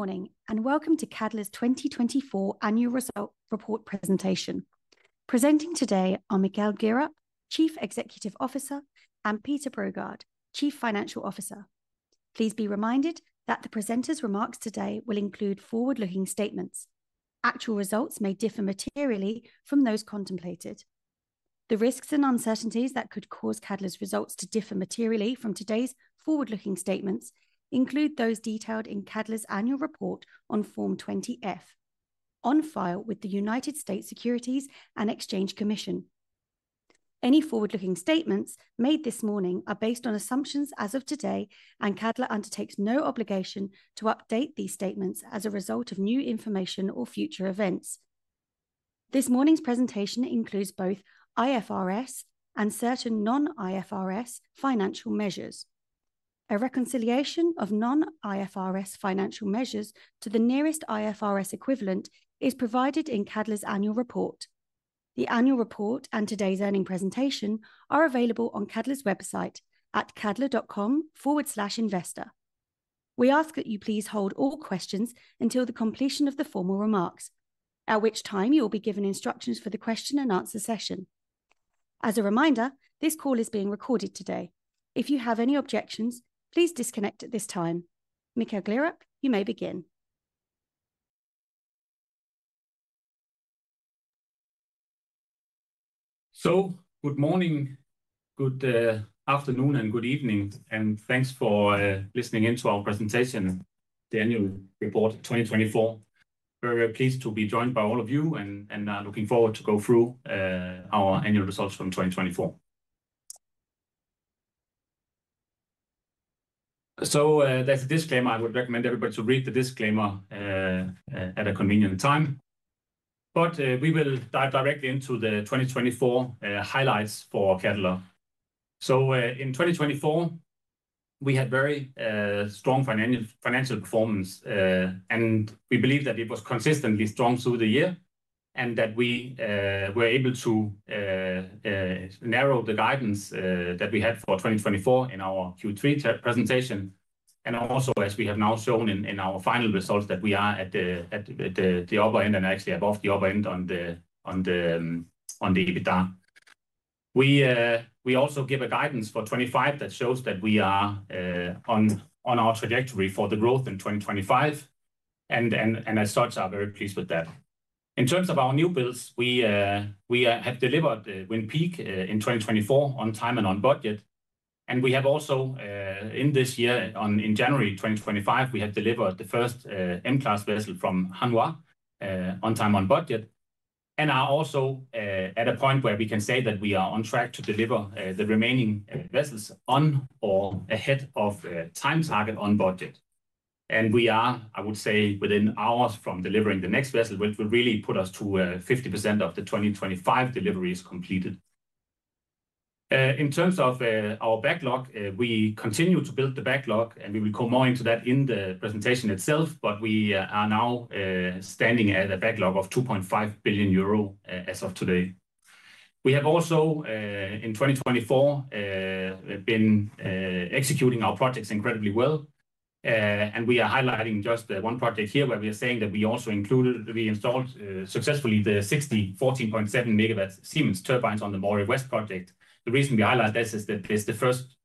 Good morning, and welcome to Cadeler's 2024 Annual Result Report presentation. Presenting today are Mikkel Gleerup, Chief Executive Officer, and Peter Brogaard, Chief Financial Officer. Please be reminded that the presenters' remarks today will include forward-looking statements. Actual results may differ materially from those contemplated. The risks and uncertainties that could cause Cadeler's results to differ materially from today's forward-looking statements include those detailed in Cadeler's Annual Report on Form 20-F, on file with the United States Securities and Exchange Commission. Any forward-looking statements made this morning are based on assumptions as of today, and Cadeler undertakes no obligation to update these statements as a result of new information or future events. This morning's presentation includes both IFRS and certain non-IFRS financial measures. A reconciliation of non-IFRS financial measures to the nearest IFRS equivalent is provided in Cadeler's Annual Report. The Annual Report and today's earning presentation are available on Cadeler's website at cadeler.com/investor. We ask that you please hold all questions until the completion of the formal remarks, at which time you will be given instructions for the question-and-answer session. As a reminder, this call is being recorded today. If you have any objections, please disconnect at this time. Mikkel Gleerup, you may begin. Good morning, good afternoon, and good evening. Thanks for listening in to our presentation, the Annual Report 2024. We're very pleased to be joined by all of you and looking forward to going through our Annual Results from 2024. There is a disclaimer. I would recommend everybody to read the disclaimer at a convenient time. We will dive directly into the 2024 highlights for Cadeler. In 2024, we had very strong financial performance, and we believe that it was consistently strong through the year, and that we were able to narrow the guidance that we had for 2024 in our Q3 presentation. Also, as we have now shown in our final results, we are at the upper end and actually above the upper end on the EBITDA. We also give a guidance for 2025 that shows that we are on our trajectory for the growth in 2025, and as such, are very pleased with that. In terms of our new builds, we have delivered Wind Peak in 2024 on time and on budget. We have also, in this year, in January 2025, delivered the first M-class vessel from Hanwha on time and on budget, and are also at a point where we can say that we are on track to deliver the remaining vessels on or ahead of time target on budget. We are, I would say, within hours from delivering the next vessel, which will really put us to 50% of the 2025 deliveries completed. In terms of our backlog, we continue to build the backlog, and we will come more into that in the presentation itself, but we are now standing at a backlog of 2.5 billion euro as of today. We have also, in 2024, been executing our projects incredibly well, and we are highlighting just one project here where we are saying that we also included we installed successfully the 60x14.7 MG Siemens turbines on the Moray West project. The reason we highlight this is that this is the first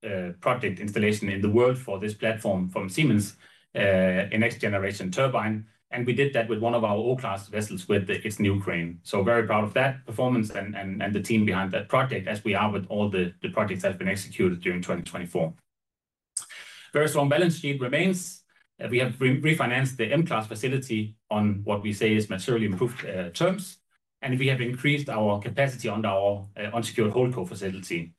project installation in the world for this platform from Siemens, a next-generation turbine, and we did that with one of our O-class vessels with its new crane. Very proud of that performance and the team behind that project, as we are with all the projects that have been executed during 2024. Very strong balance sheet remains. We have refinanced the M-class facility on what we say is materially improved terms, and we have increased our capacity under our unsecured hold co facility.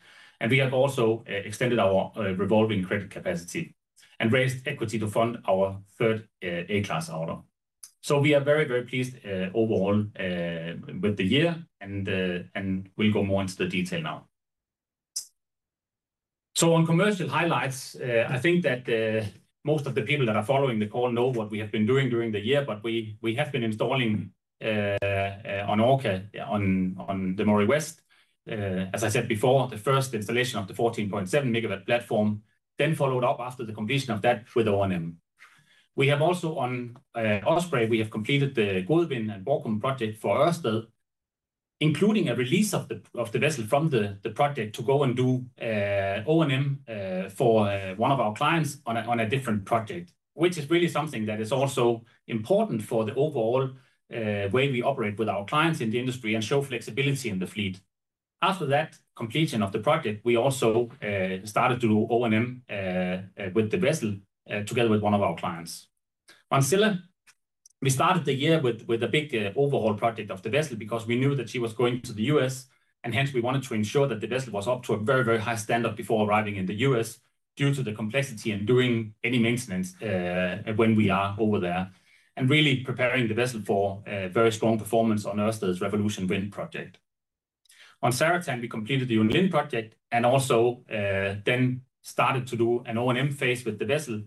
We have also extended our revolving credit capacity and raised equity to fund our third A-class order. We are very, very pleased overall with the year, and we will go more into the detail now. On commercial highlights, I think that most of the people that are following the call know what we have been doing during the year, but we have been installing on Orca, on the Moray West, as I said before, the first installation of the 14.7 MW platform, then followed up after the completion of that with O&M. We have also, on Osprey, we have completed the Gode Win and Borkum project for Ørsted, including a release of the vessel from the project to go and do O&M for one of our clients on a different project, which is really something that is also important for the overall way we operate with our clients in the industry and show flexibility in the fleet. After that completion of the project, we also started to do O&M with the vessel together with one of our clients. Marcela, we started the year with a big overhaul project of the vessel because we knew that she was going to the U.S., and hence we wanted to ensure that the vessel was up to a very, very high standard before arriving in the U.S. due to the complexity and doing any maintenance when we are over there, and really preparing the vessel for very strong performance on Ørsted's Revolution Wind project. On Zaratan, we completed the Yunlin project and also then started to do an O&M phase with the vessel,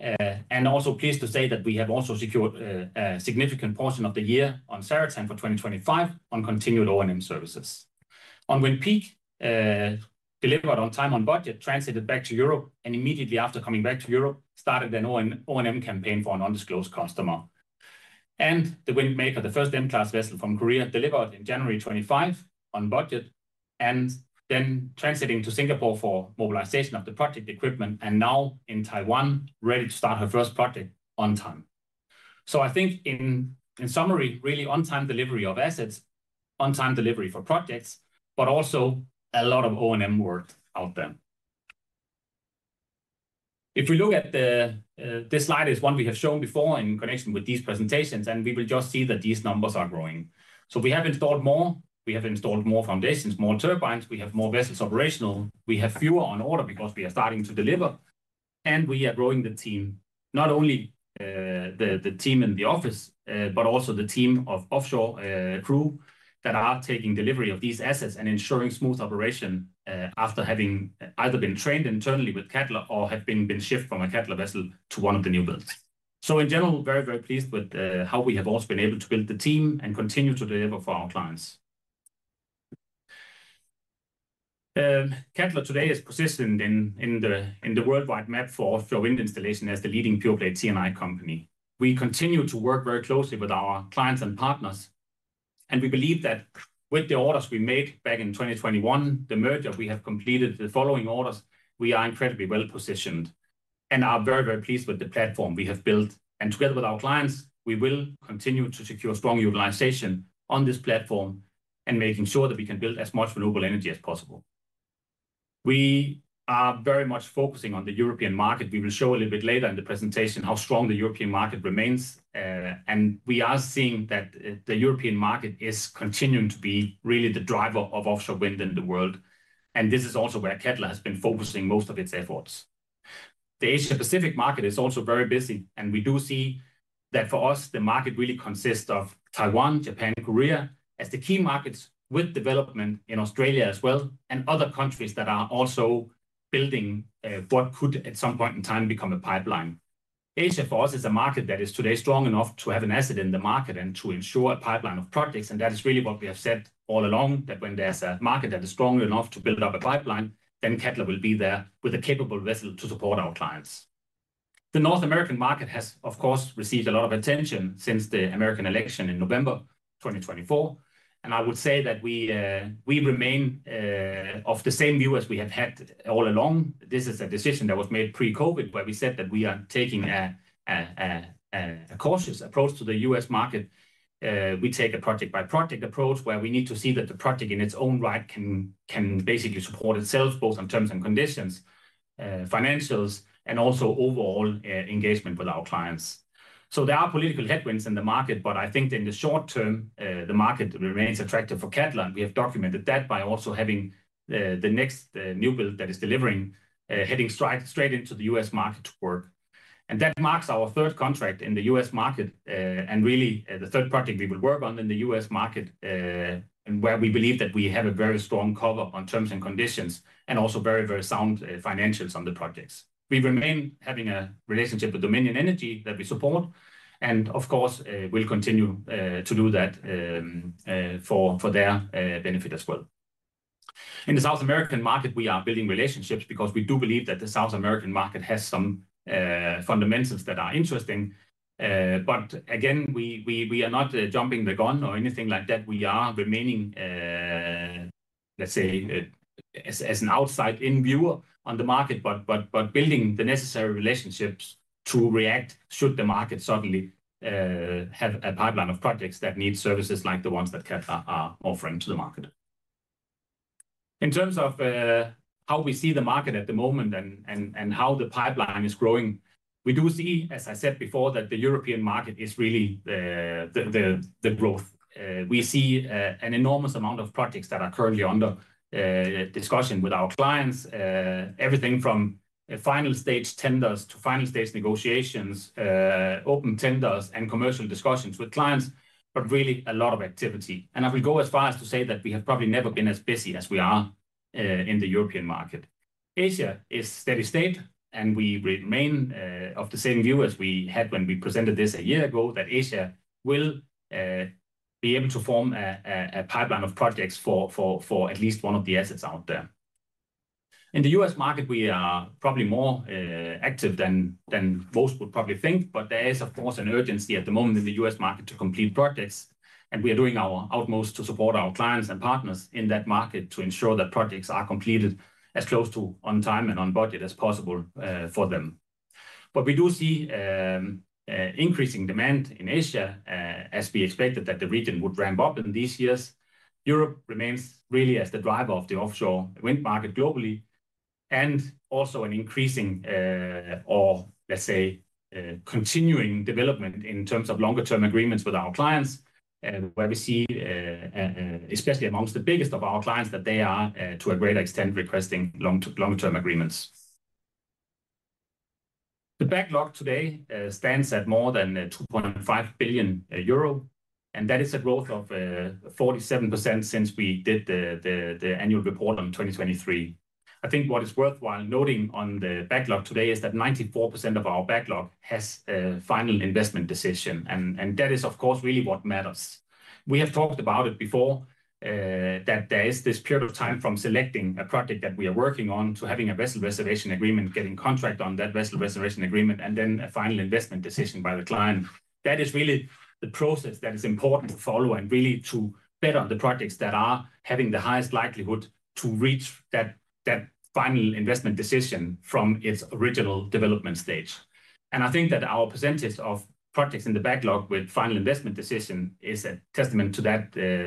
and also pleased to say that we have also secured a significant portion of the year on Zaratan for 2025 on continued O&M services. On Wind Peak, delivered on time and on budget, transited back to Europe, and immediately after coming back to Europe, started an O&M campaign for an undisclosed customer. The Wind Maker, the first M-class vessel from Korea, delivered in January 2025 on budget, and then transiting to Singapore for mobilization of the project equipment, and now in Taiwan, ready to start her first project on time. I think in summary, really on-time delivery of assets, on-time delivery for projects, but also a lot of O&M work out there. If we look at this slide, it is one we have shown before in connection with these presentations, and we will just see that these numbers are growing. We have installed more. We have installed more foundations, more turbines. We have more vessels operational. We have fewer on order because we are starting to deliver, and we are growing the team, not only the team in the office, but also the team of offshore crew that are taking delivery of these assets and ensuring smooth operation after having either been trained internally with Cadeler or have been shipped from a Cadeler vessel to one of the new builds. In general, very, very pleased with how we have also been able to build the team and continue to deliver for our clients. Cadeler today is positioned in the worldwide map for offshore wind installation as the leading pure-play T&I company. We continue to work very closely with our clients and partners, and we believe that with the orders we made back in 2021, the merger, we have completed the following orders, we are incredibly well positioned and are very, very pleased with the platform we have built. Together with our clients, we will continue to secure strong utilization on this platform and making sure that we can build as much renewable energy as possible. We are very much focusing on the European market. We will show a little bit later in the presentation how strong the European market remains, and we are seeing that the European market is continuing to be really the driver of offshore wind in the world. This is also where Cadeler has been focusing most of its efforts. The Asia-Pacific market is also very busy, and we do see that for us, the market really consists of Taiwan, Japan, and Korea as the key markets with development in Australia as well, and other countries that are also building what could at some point in time become a pipeline. Asia, for us, is a market that is today strong enough to have an asset in the market and to ensure a pipeline of projects. That is really what we have said all along, that when there's a market that is strong enough to build up a pipeline, then Cadeler will be there with a capable vessel to support our clients. The North American market has, of course, received a lot of attention since the American election in November 2024, and I would say that we remain of the same view as we have had all along. This is a decision that was made pre-COVID, where we said that we are taking a cautious approach to the U.S. market. We take a project-by-project approach where we need to see that the project in its own right can basically support itself both in terms and conditions, financials, and also overall engagement with our clients. There are political headwinds in the market, but I think in the short term, the market remains attractive for Cadeler, and we have documented that by also having the next new build that is delivering, heading straight into the U.S. market to work. That marks our third contract in the U.S. market, and really the third project we will work on in the U.S. market, and where we believe that we have a very strong cover on terms and conditions and also very, very sound financials on the projects. We remain having a relationship with Dominion Energy that we support, and of course, we'll continue to do that for their benefit as well. In the South American market, we are building relationships because we do believe that the South American market has some fundamentals that are interesting. We are not jumping the gun or anything like that. We are remaining, let's say, as an outside-in viewer on the market, but building the necessary relationships to react should the market suddenly have a pipeline of projects that need services like the ones that Cadeler are offering to the market. In terms of how we see the market at the moment and how the pipeline is growing, we do see, as I said before, that the European market is really the growth. We see an enormous amount of projects that are currently under discussion with our clients, everything from final stage tenders to final stage negotiations, open tenders, and commercial discussions with clients, but really a lot of activity. I will go as far as to say that we have probably never been as busy as we are in the European market. Asia is steady state, and we remain of the same view as we had when we presented this a year ago, that Asia will be able to form a pipeline of projects for at least one of the assets out there. In the U.S. market, we are probably more active than most would probably think, but there is, of course, an urgency at the moment in the U.S. market to complete projects, and we are doing our utmost to support our clients and partners in that market to ensure that projects are completed as close to on time and on budget as possible for them. We do see increasing demand in Asia, as we expected that the region would ramp up in these years. Europe remains really as the driver of the offshore wind market globally, and also an increasing, or let's say, continuing development in terms of longer-term agreements with our clients, where we see, especially amongst the biggest of our clients, that they are to a greater extent requesting longer-term agreements. The backlog today stands at more than 2.5 billion euro, and that is a growth of 47% since we did the annual report on 2023. I think what is worthwhile noting on the backlog today is that 94% of our backlog has final investment decision, and that is, of course, really what matters. We have talked about it before, that there is this period of time from selecting a project that we are working on to having a vessel reservation agreement, getting contract on that vessel reservation agreement, and then a final investment decision by the client. That is really the process that is important to follow and really to bet on the projects that are having the highest likelihood to reach that final investment decision from its original development stage. I think that our percentage of projects in the backlog with final investment decision is a testament to that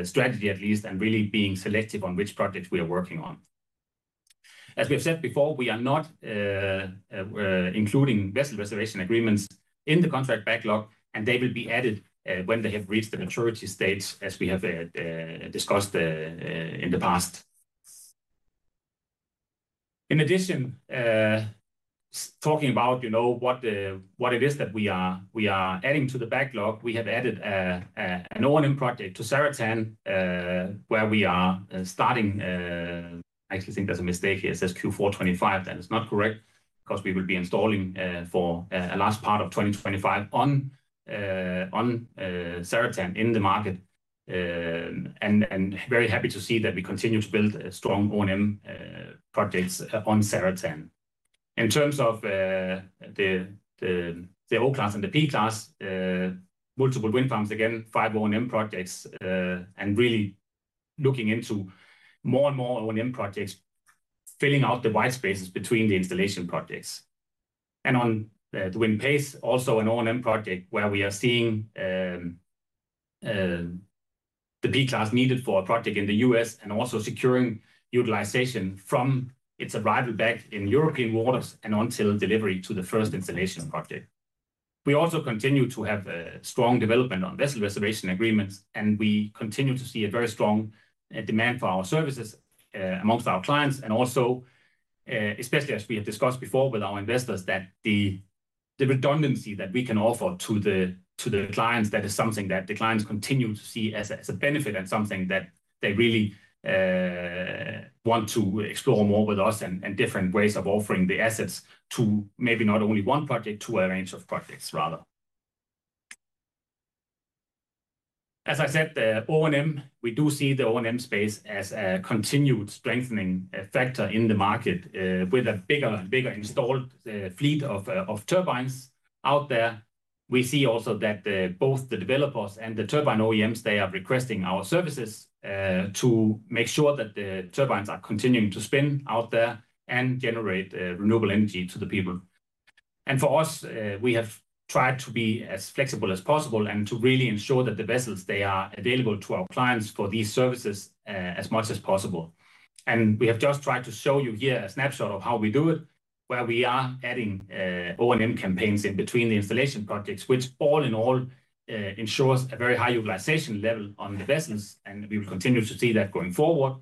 strategy at least, and really being selective on which projects we are working on. As we have said before, we are not including vessel reservation agreements in the contract backlog, and they will be added when they have reached the maturity stage, as we have discussed in the past. In addition, talking about what it is that we are adding to the backlog, we have added an O&M project to Zaratan, where we are starting. I actually think there's a mistake here. It says Q4 2025. That is not correct because we will be installing for the last part of 2025 on Zaratan in the market, and very happy to see that we continue to build strong O&M projects on Zaratan. In terms of the O-class and the P-class, multiple wind farms, again, five O&M projects, and really looking into more and more O&M projects, filling out the white spaces between the installation projects. On the Wind Pace, also an O&M project where we are seeing the P-class needed for a project in the U.S., and also securing utilization from its arrival back in European waters and until delivery to the first installation project. We also continue to have strong development on vessel reservation agreements, and we continue to see a very strong demand for our services amongst our clients, and also, especially as we have discussed before with our investors, that the redundancy that we can offer to the clients, that is something that the clients continue to see as a benefit and something that they really want to explore more with us and different ways of offering the assets to maybe not only one project, to a range of projects rather. As I said, O&M, we do see the O&M space as a continued strengthening factor in the market with a bigger installed fleet of turbines out there. We see also that both the developers and the turbine OEMs, they are requesting our services to make sure that the turbines are continuing to spin out there and generate renewable energy to the people. For us, we have tried to be as flexible as possible and to really ensure that the vessels, they are available to our clients for these services as much as possible. We have just tried to show you here a snapshot of how we do it, where we are adding O&M campaigns in between the installation projects, which all in all ensures a very high utilization level on the vessels, and we will continue to see that going forward,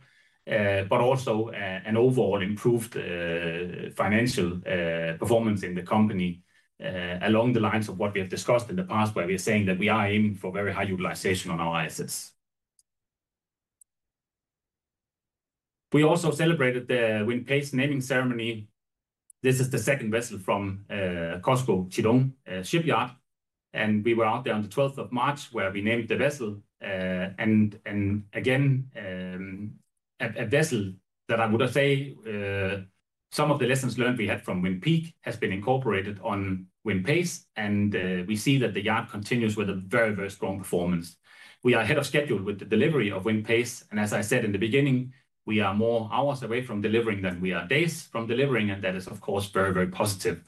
but also an overall improved financial performance in the company along the lines of what we have discussed in the past, where we are saying that we are aiming for very high utilization on our assets. We also celebrated the Wind Pace naming ceremony. This is the second vessel from COSCO Qidong Shipyard, and we were out there on the 12th of March where we named the vessel. A vessel that I would say some of the lessons learned we had from Wind Peak has been incorporated on Wind Pace, and we see that the yard continues with a very, very strong performance. We are ahead of schedule with the delivery of Wind Pace, and as I said in the beginning, we are more hours away from delivering than we are days from delivering, and that is, of course, very, very positive.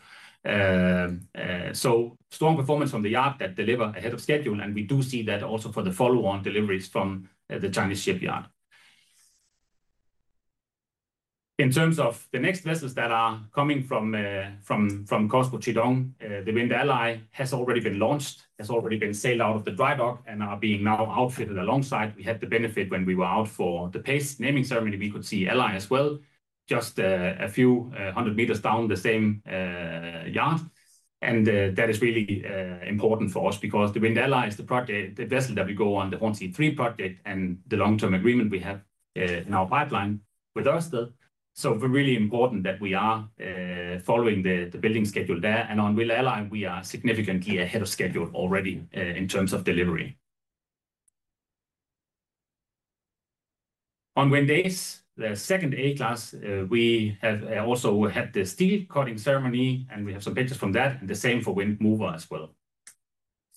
Strong performance from the yard that deliver ahead of schedule, and we do see that also for the follow-on deliveries from the Chinese shipyard. In terms of the next vessels that are coming from COSCO Qidong, the Wind Ally has already been launched, has already been sailed out of the dry dock and are being now outfitted alongside. We had the benefit when we were out for the Pace naming ceremony, we could see Ally as well, just a few hundred meters down the same yard, and that is really important for us because the Wind Ally is the project, the vessel that we go on the Hornsea 3 project and the long-term agreement we have in our pipeline with Ørsted. Really important that we are following the building schedule there, and on Wind Ally, we are significantly ahead of schedule already in terms of delivery. On Wind Mover, the second A-class, we have also had the steel cutting ceremony, and we have some pictures from that, and the same for Wind Mover as well.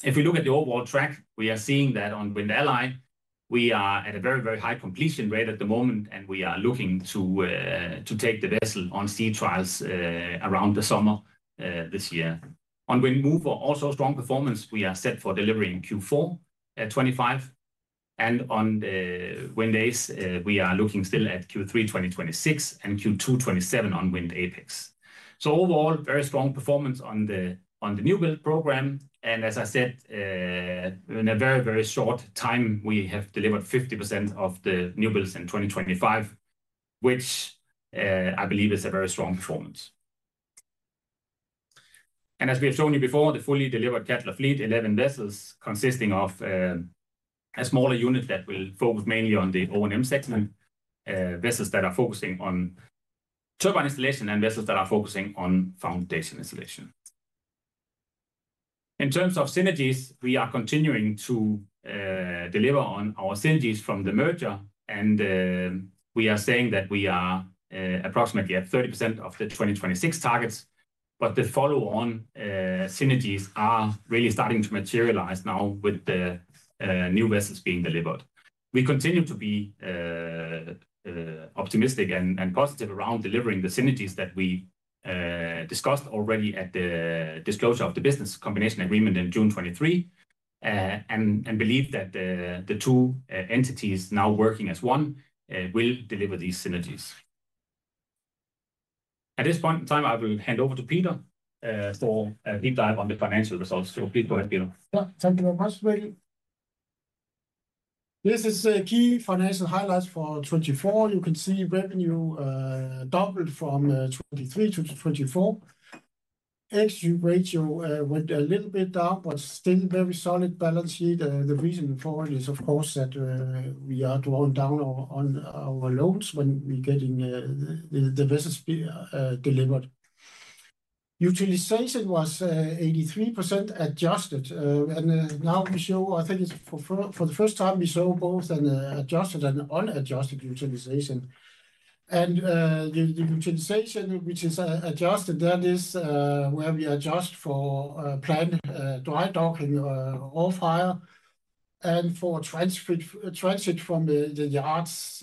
If we look at the overall track, we are seeing that on Wind Ally, we are at a very, very high completion rate at the moment, and we are looking to take the vessel on sea trials around the summer this year. On Wind Mover, also strong performance, we are set for delivering Q4 2025, and on Wind Pace, we are looking still at Q3 2026 and Q2 2027 on Wind Peak. Very strong performance on the new build program, and as I said, in a very, very short time, we have delivered 50% of the new builds in 2025, which I believe is a very strong performance. As we have shown you before, the fully delivered Cadeler fleet, 11 vessels consisting of a smaller unit that will focus mainly on the O&M segment, vessels that are focusing on turbine installation and vessels that are focusing on foundation installation. In terms of synergies, we are continuing to deliver on our synergies from the merger, and we are saying that we are approximately at 30% of the 2026 targets, but the follow-on synergies are really starting to materialize now with the new vessels being delivered. We continue to be optimistic and positive around delivering the synergies that we discussed already at the disclosure of the business combination agreement in June 2023, and believe that the two entities now working as one will deliver these synergies. At this point in time, I will hand over to Peter for a deep dive on the financial results. Please go ahead, Peter. Thank you very much, Mikkel. This is key financial highlights for 2024. You can see revenue doubled from 2023 to 2024. Equity ratio went a little bit down, but still very solid balance sheet. The reason for it is, of course, that we are drawing down on our loans when we're getting the vessels delivered. Utilization was 83% adjusted, and now we show, I think it's for the first time we saw both an adjusted and unadjusted utilization. The utilization, which is adjusted, that is where we adjust for planned dry docking or fire and for transit from the yards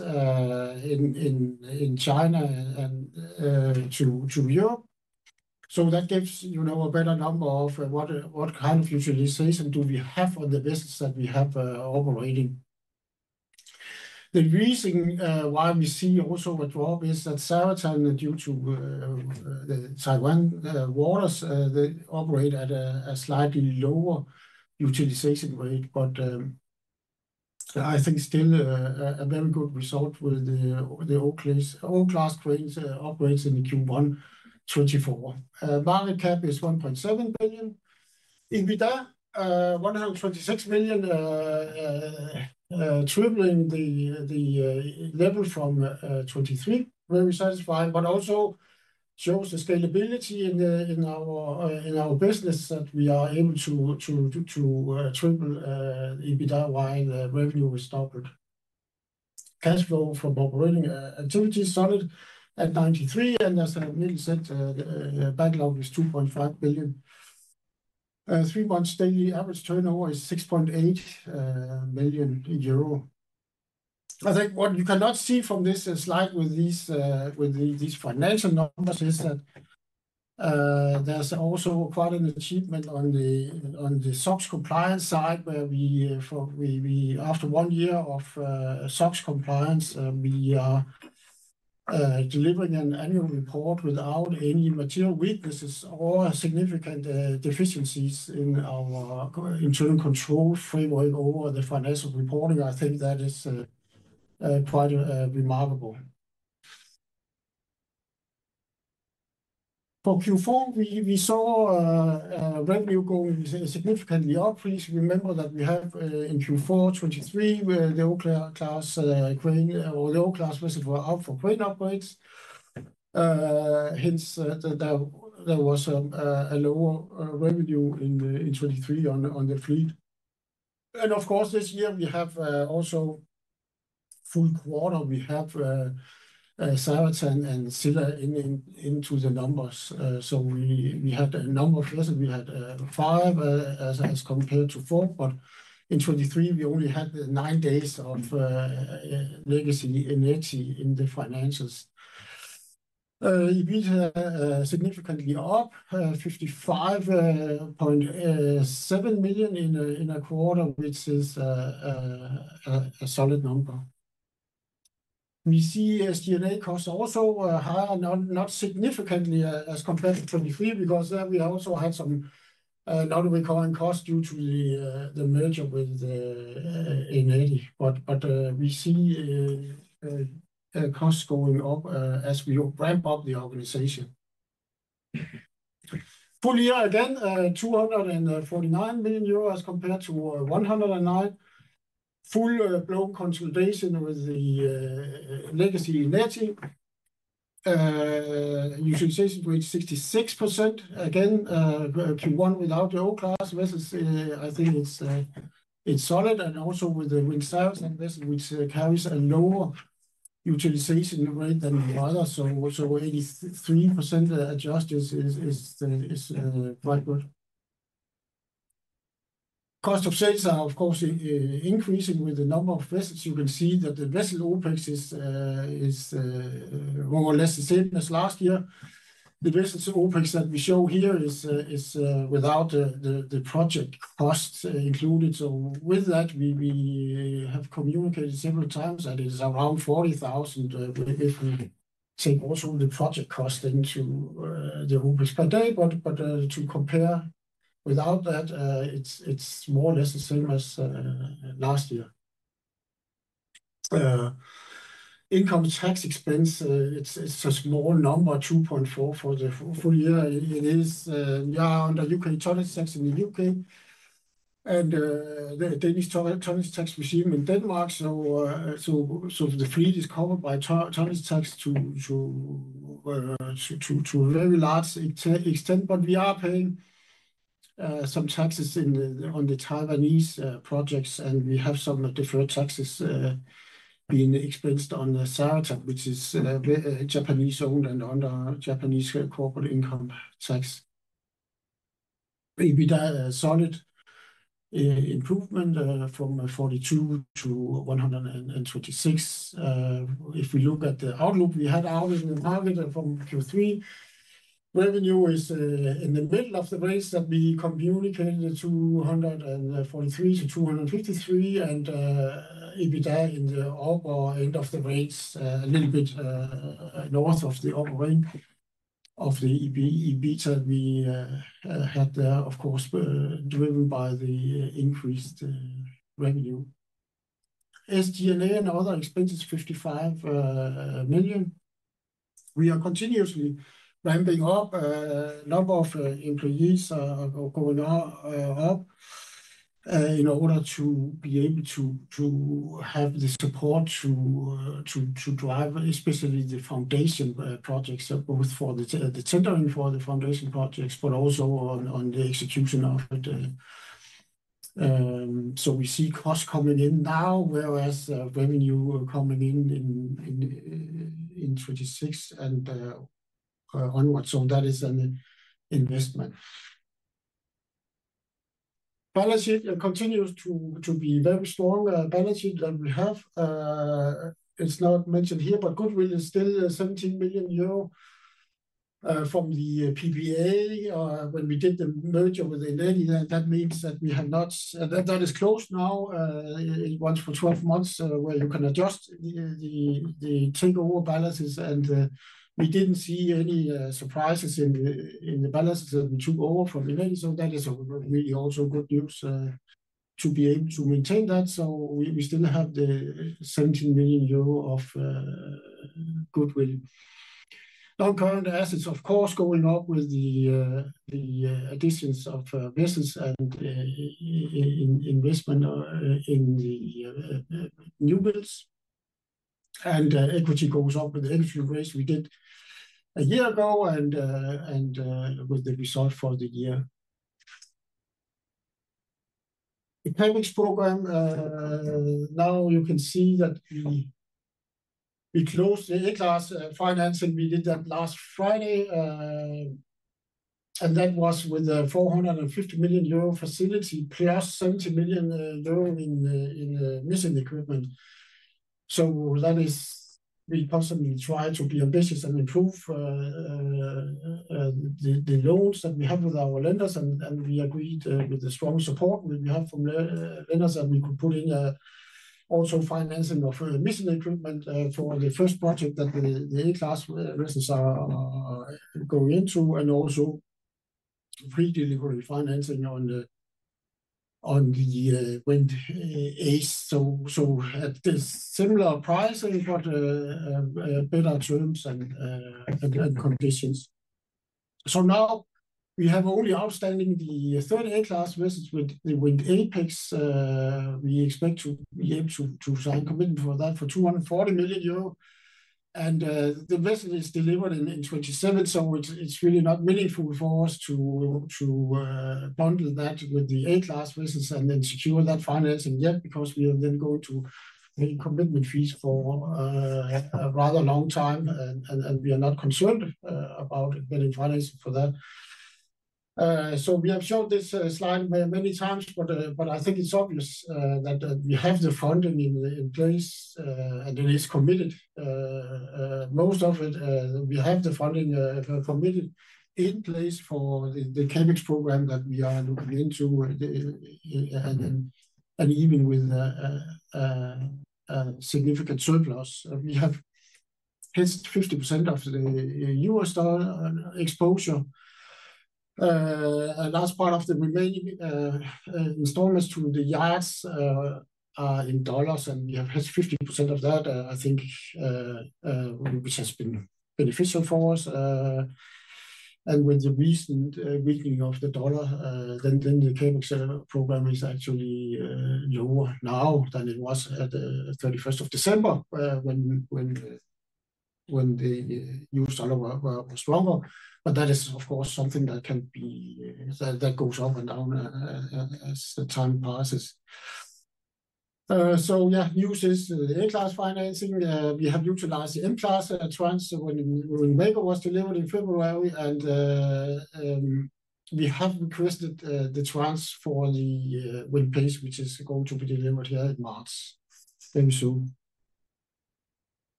in China and to Europe. That gives you a better number of what kind of utilization do we have on the vessels that we have operating. The reason why we see also a drop is that Zaratan, due to the Taiwan waters, they operate at a slightly lower utilization rate, but I think still a very good result with the O-class crane operates in Q1 2024. Market cap is 1.7 billion. EBITDA, 126 million, tripling the level from 2023, very satisfying, but also shows the scalability in our business that we are able to triple EBITDA while revenue is doubled. Cash flow from operating activity is solid at 93 million, and as I immediately said, backlog is 2.5 billion. Three months daily average turnover is 6.8 million euro. I think what you cannot see from this slide with these financial numbers is that there's also quite an achievement on the SOx compliance side where we, after one year of SOx compliance, we are delivering an annual report without any material weaknesses or significant deficiencies in our internal control framework over the financial reporting. I think that is quite remarkable. For Q4, we saw revenue going significantly up. Please remember that we have in Q4 2023, the O-class vessels were out for crane upgrades. Hence, there was a lower revenue in 2023 on the fleet. Of course, this year we have also full quarter, we have Zaratan and Scylla into the numbers. We had a number of vessels. We had five as compared to four, but in 2023, we only had nine days of legacy inertia in the finances. EBITDA significantly up, 55.7 million in a quarter, which is a solid number. We see SG&A costs also higher, not significantly as compared to 2023 because we also had some non-recurring costs due to the merger with the Eneti, but we see costs going up as we ramp up the organization. Full year again, 249 million euro as compared to 109 million. Full blown consolidation with the legacy inertia. Utilization rate 66% again, Q1 without the O-class vessels. I think it's solid and also with the wind service and vessel, which carries a lower utilization rate than the other. 83% adjusted is quite good. Cost of sales are, of course, increasing with the number of vessels. You can see that the vessel OpEx is more or less the same as last year. The vessels OpEx that we show here is without the project costs included. We have communicated several times that it is around 40,000 if we take also the project cost into the OpEx per day. To compare without that, it's more or less the same as last year. Income tax expense, it's a small number, 2.4 million for the full year. It is under U.K. tonnage tax in the U.K. and Danish tonnage tax regime in Denmark. The fleet is covered by tonnage tax to a very large extent, but we are paying some taxes on the Taiwanese projects, and we have some deferred taxes being expensed on the Zaratan, which is Japanese-owned and under Japanese corporate income tax. EBITDA is a solid improvement from 42 million to 126 million. If we look at the outlook, we had out in the market from Q3. Revenue is in the middle of the range that we communicated, 243 million-253 million, and EBITDA in the upper end of the range, a little bit north of the upper end of the EBITDA we had there, of course, driven by the increased revenue. SG&A and other expenses, 55 million. We are continuously ramping up. A number of employees are going up in order to be able to have the support to drive, especially the foundation projects, both for the tendering for the foundation projects, but also on the execution of it. We see costs coming in now, whereas revenue coming in in 2026 and onwards. That is an investment. Balance sheet continues to be very strong. Balance sheet that we have, it's not mentioned here, but goodwill is still 17 million euro from the PPA when we did the merger with Eneti, and that means that we have not, that is closed now once for 12 months where you can adjust the takeover balances, and we didn't see any surprises in the balances that we took over from Eneti. That is really also good news to be able to maintain that. We still have the 17 million euro of goodwill. Non-current assets, of course, going up with the additions of vessels and investment in the new builds. Equity goes up with the equity raise we did a year ago and with the result for the year. The payments program, now you can see that we closed the A-class finance, and we did that last Friday, and that was with a 450 million euro facility plus 70 million euro in missing equipment. That is, we possibly try to be ambitious and improve the loans that we have with our lenders, and we agreed with the strong support we have from lenders that we could put in also financing of missing equipment for the first project that the A-class vessels are going into, and also free delivery financing on the wind days. At the similar pricing, but better terms and conditions. Now we have only outstanding the third A-class vessel with the Wind Apex. We expect to be able to sign commitment for that for 240 million euro, and the vessel is delivered in 2027. It is really not meaningful for us to bundle that with the A-class vessels and then secure that financing yet because we are then going to pay commitment fees for a rather long time, and we are not concerned about getting financing for that. We have showed this slide many times, but I think it is obvious that we have the funding in place, and it is committed. Most of it, we have the funding committed in place for the payments program that we are looking into, and even with significant surplus. We have hedged 50% of the US dollar exposure. A large part of the remaining installments to the yards are in dollars, and we have hedged 50% of that, I think, which has been beneficial for us. With the recent weakening of the dollar, the payments program is actually lower now than it was at the 31st of December when the dollar was stronger. That is, of course, something that can be that goes up and down as the time passes. Yeah, use is the A-class financing. We have utilized the M-class tranche when the Wind Maker was delivered in February, and we have requested the tranche for the Wind Pace, which is going to be delivered here in March. Very soon.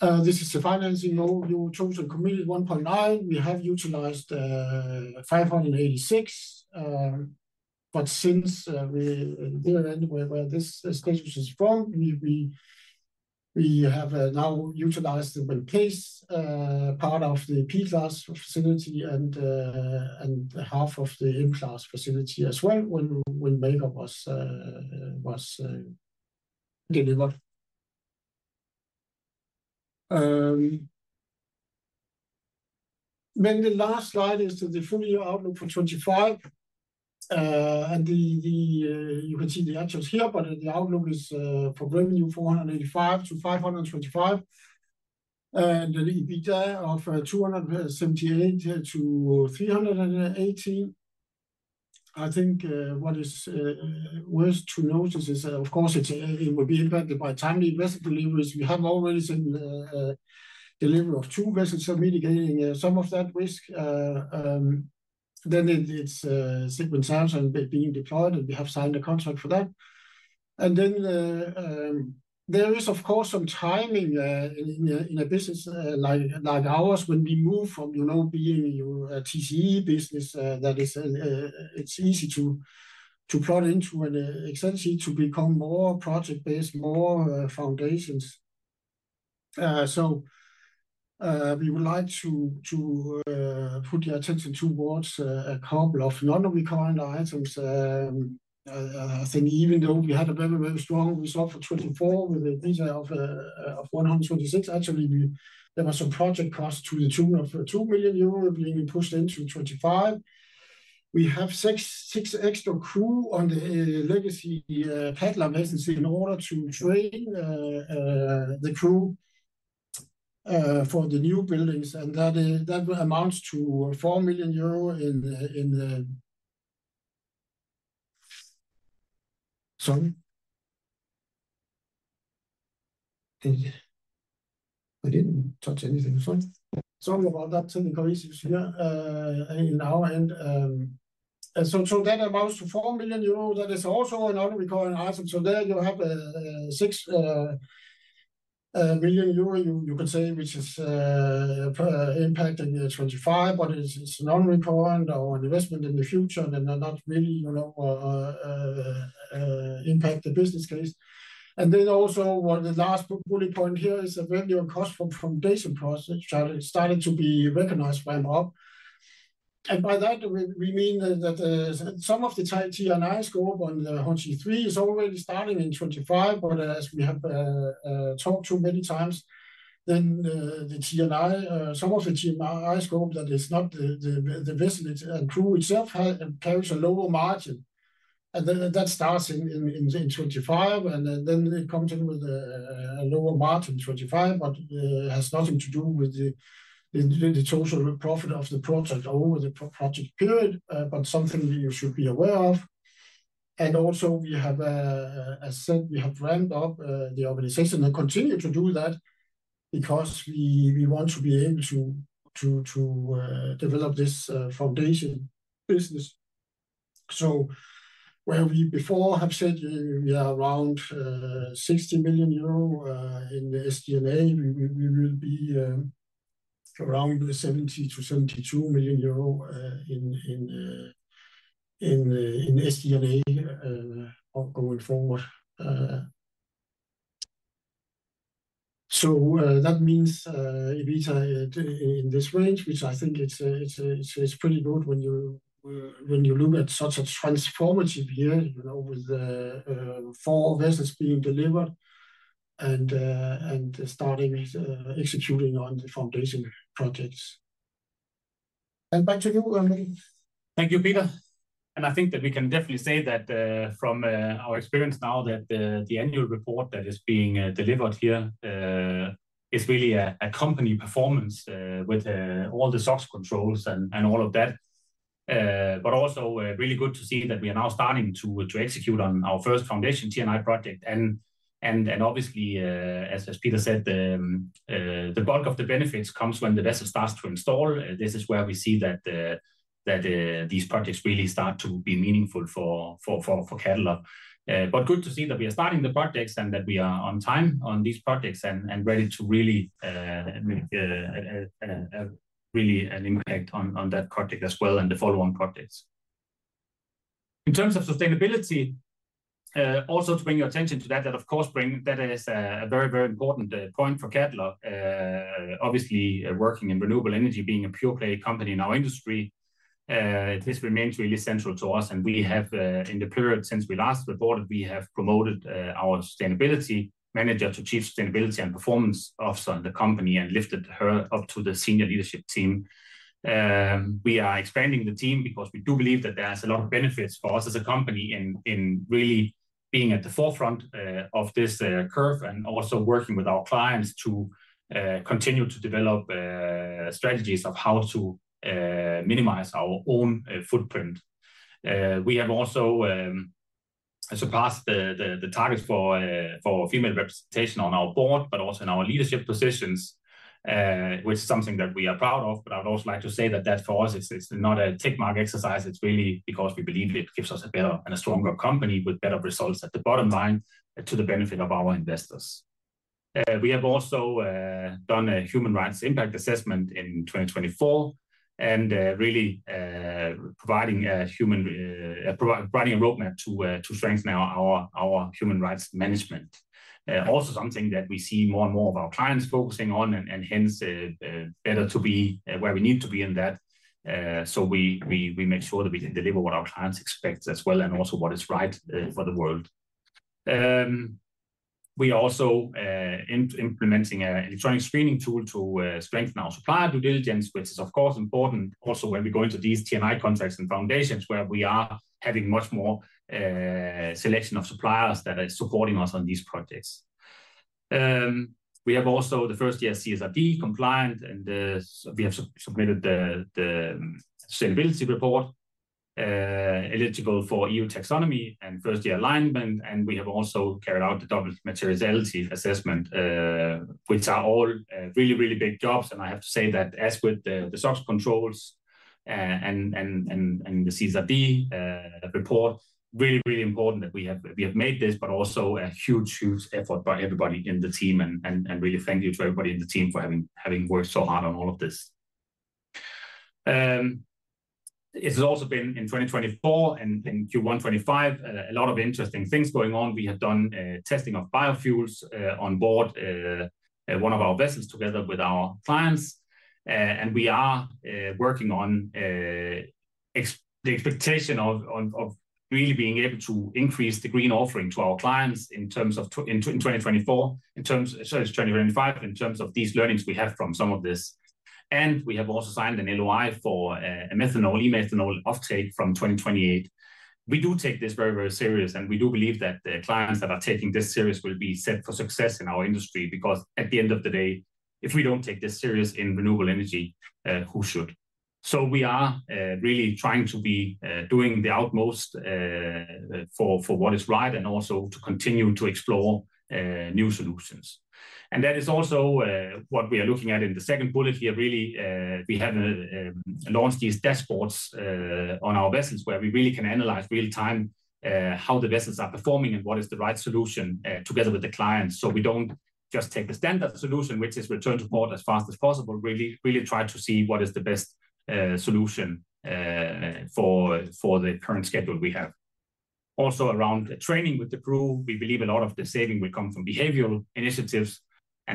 This is the financing model. You chose a committed 1.9 billion. We have utilized 586, but since we were in this status is from, we have now utilized the Wind Peak part of the P-class facility and half of the M-class facility as well when the Wind Maker was delivered. The last slide is the full year outlook for 2025, and you can see the actual here, but the outlook is for revenue 485 million-525 million, and the EBITDA of 278 million-318 million. I think what is worth to notice is, of course, it will be impacted by timely vessel deliveries. We have already seen the delivery of two vessels mitigating some of that risk. It is sequence sounds and being deployed, and we have signed a contract for that. There is, of course, some timing in a business like ours when we move from being a TCE business that it's easy to plot into an extension to become more project-based, more foundations. We would like to put your attention towards a couple of non-recurring items. I think even though we had a very, very strong result for 2024 with a result of 126 million, actually, there were some project costs to the tune of 2 million euro being pushed into 2025. We have six extra crew on the legacy Cadeler vessels in order to train the crew for the new buildings, and that amounts to 4 million euro. Sorry. I didn't touch anything. Sorry about that, technical issues here on our end. That amounts to 4 million euro. That is also a non-recurring item. There you have 6 million euro, you could say, which is impacting 2025, but it's non-recurrent or an investment in the future, and they're not really impacting the business case. Also, the last bullet point here is a value of cost from foundation process started to be recognized ramp up. By that, we mean that some of the T&I scope on the Hornsea 3 is already starting in 2025, but as we have talked to many times, then the T&I, some of the T&I scope that is not the vessel and crew itself carries a lower margin. That starts in 2025, and then it comes in with a lower margin in 2025, but has nothing to do with the total profit of the project over the project period, but something you should be aware of. As I said, we have ramped up the organization and continue to do that because we want to be able to develop this foundation business. Where we before have said we are around 60 million euro in SG&A, we will be around 70 million-72 million euro in SG&A going forward. That means EBITDA in this range, which I think is pretty good when you look at such a transformative year with four vessels being delivered and starting executing on the foundation projects. Back to you, Mikkel. Thank you, Peter. I think that we can definitely say that from our experience now that the annual report that is being delivered here is really a company performance with all the SOx controls and all of that. Also really good to see that we are now starting to execute on our first foundation T&I project. Obviously, as Peter said, the bulk of the benefits comes when the vessel starts to install. This is where we see that these projects really start to be meaningful for Cadeler. Good to see that we are starting the projects and that we are on time on these projects and ready to really, really impact on that project as well and the follow-on projects. In terms of sustainability, also to bring your attention to that, of course, that is a very, very important point for Cadeler. Obviously, working in renewable energy, being a pure-play company in our industry, this remains really central to us. We have, in the period since we last reported, promoted our sustainability manager to Chief Sustainability and Performance Officer in the company and lifted her up to the senior leadership team. We are expanding the team because we do believe that there are a lot of benefits for us as a company in really being at the forefront of this curve and also working with our clients to continue to develop strategies of how to minimize our own footprint. We have also surpassed the targets for female representation on our board, but also in our leadership positions, which is something that we are proud of. I would also like to say that that for us is not a tick-mark exercise. It's really because we believe it gives us a better and a stronger company with better results at the bottom line to the benefit of our investors. We have also done a human rights impact assessment in 2024 and really providing a human rights roadmap to strengthen our human rights management. Also something that we see more and more of our clients focusing on and hence better to be where we need to be in that. We make sure that we deliver what our clients expect as well and also what is right for the world. We are also implementing an electronic screening tool to strengthen our supplier due diligence, which is, of course, important also when we go into these T&I contracts and foundations where we are having much more selection of suppliers that are supporting us on these projects. We have also the first-year CSRD compliant, and we have submitted the sustainability report eligible for EU taxonomy and first-year alignment. We have also carried out the double materiality assessment, which are all really, really big jobs. I have to say that as with the SOx controls and the CSRD report, really, really important that we have made this, but also a huge, huge effort by everybody in the team. I really thank you to everybody in the team for having worked so hard on all of this. It has also been in 2024 and Q1 2025, a lot of interesting things going on. We have done testing of biofuels on board one of our vessels together with our clients. We are working on the expectation of really being able to increase the green offering to our clients in terms of in 2024, in terms of 2025, in terms of these learnings we have from some of this. We have also signed an LOI for a methanol, e-methanol offtake from 2028. We do take this very, very serious, and we do believe that the clients that are taking this serious will be set for success in our industry because at the end of the day, if we do not take this serious in renewable energy, who should? We are really trying to be doing the utmost for what is right and also to continue to explore new solutions. That is also what we are looking at in the second bullet here. Really, we have launched these dashboards on our vessels where we really can analyze real-time how the vessels are performing and what is the right solution together with the clients. We do not just take the standard solution, which is return to port as fast as possible, really try to see what is the best solution for the current schedule we have. Also around training with the crew, we believe a lot of the saving will come from behavioral initiatives.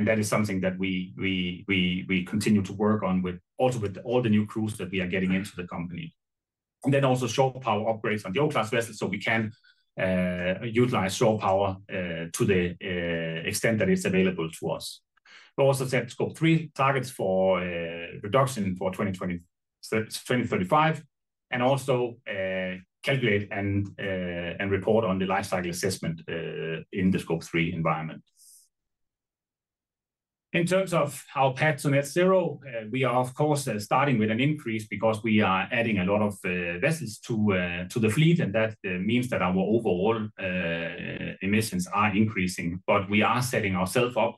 That is something that we continue to work on also with all the new crews that we are getting into the company. Also, shore power upgrades on the O-class vessels so we can utilize shore power to the extent that it is available to us. We also set scope 3 targets for reduction for 2035 and also calculate and report on the lifecycle assessment in the scope 3 environment. In terms of our path to net zero, we are, of course, starting with an increase because we are adding a lot of vessels to the fleet, and that means that our overall emissions are increasing. We are setting ourselves up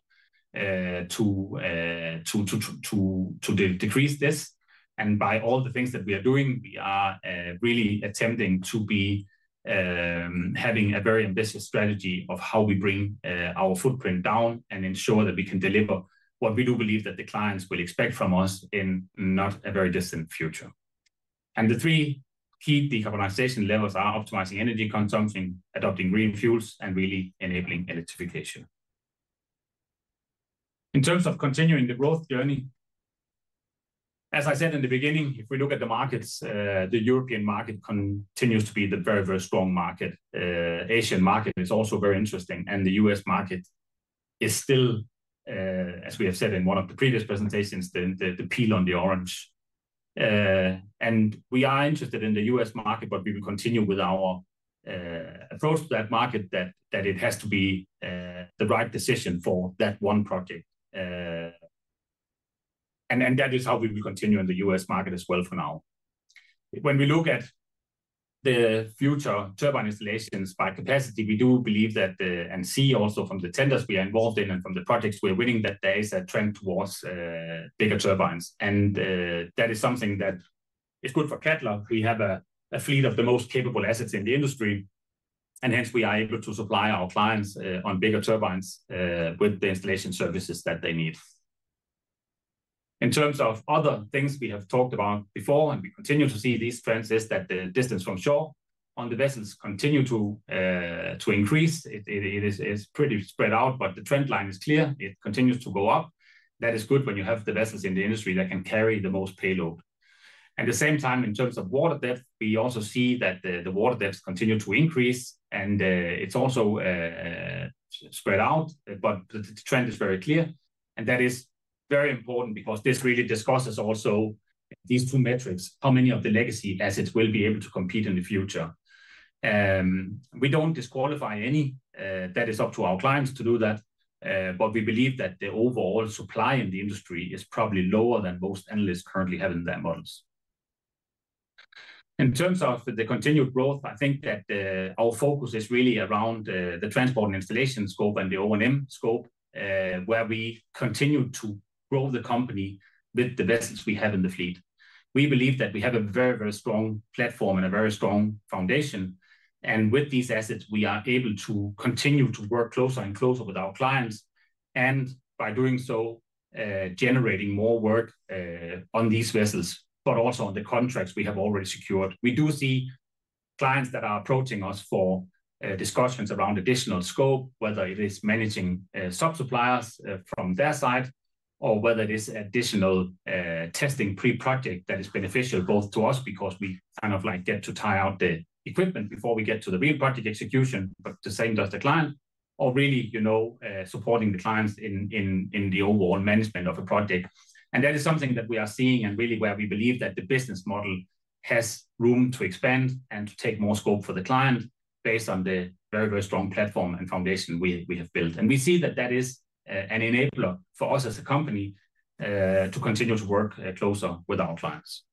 to decrease this. By all the things that we are doing, we are really attempting to be having a very ambitious strategy of how we bring our footprint down and ensure that we can deliver what we do believe that the clients will expect from us in not a very distant future. The three key decarbonization levels are optimizing energy consumption, adopting green fuels, and really enabling electrification. In terms of continuing the growth journey, as I said in the beginning, if we look at the markets, the European market continues to be the very, very strong market. The Asian market is also very interesting, and the U.S. market is still, as we have said in one of the previous presentations, the peel on the orange. We are interested in the U.S. market, but we will continue with our approach to that market that it has to be the right decision for that one project. That is how we will continue in the U.S. market as well for now. When we look at the future turbine installations by capacity, we do believe that, and see also from the tenders we are involved in and from the projects we are winning, that there is a trend towards bigger turbines. That is something that is good for Cadeler. We have a fleet of the most capable assets in the industry, and hence we are able to supply our clients on bigger turbines with the installation services that they need. In terms of other things we have talked about before, and we continue to see these trends, is that the distance from shore on the vessels continue to increase. It is pretty spread out, but the trend line is clear. It continues to go up. That is good when you have the vessels in the industry that can carry the most payload. At the same time, in terms of water depth, we also see that the water depths continue to increase, and it's also spread out, but the trend is very clear. That is very important because this really discusses also these two metrics, how many of the legacy assets will be able to compete in the future. We do not disqualify any. That is up to our clients to do that. We believe that the overall supply in the industry is probably lower than most analysts currently have in their models. In terms of the continued growth, I think that our focus is really around the transport and installation scope and the O&M scope, where we continue to grow the company with the vessels we have in the fleet. We believe that we have a very, very strong platform and a very strong foundation. With these assets, we are able to continue to work closer and closer with our clients and by doing so, generating more work on these vessels, but also on the contracts we have already secured. We do see clients that are approaching us for discussions around additional scope, whether it is managing sub-suppliers from their side or whether it is additional testing pre-project that is beneficial both to us because we kind of get to tie out the equipment before we get to the real project execution, but the same does the client, or really supporting the clients in the overall management of a project. That is something that we are seeing and really where we believe that the business model has room to expand and to take more scope for the client based on the very, very strong platform and foundation we have built. We see that that is an enabler for us as a company to continue to work closer with our clients.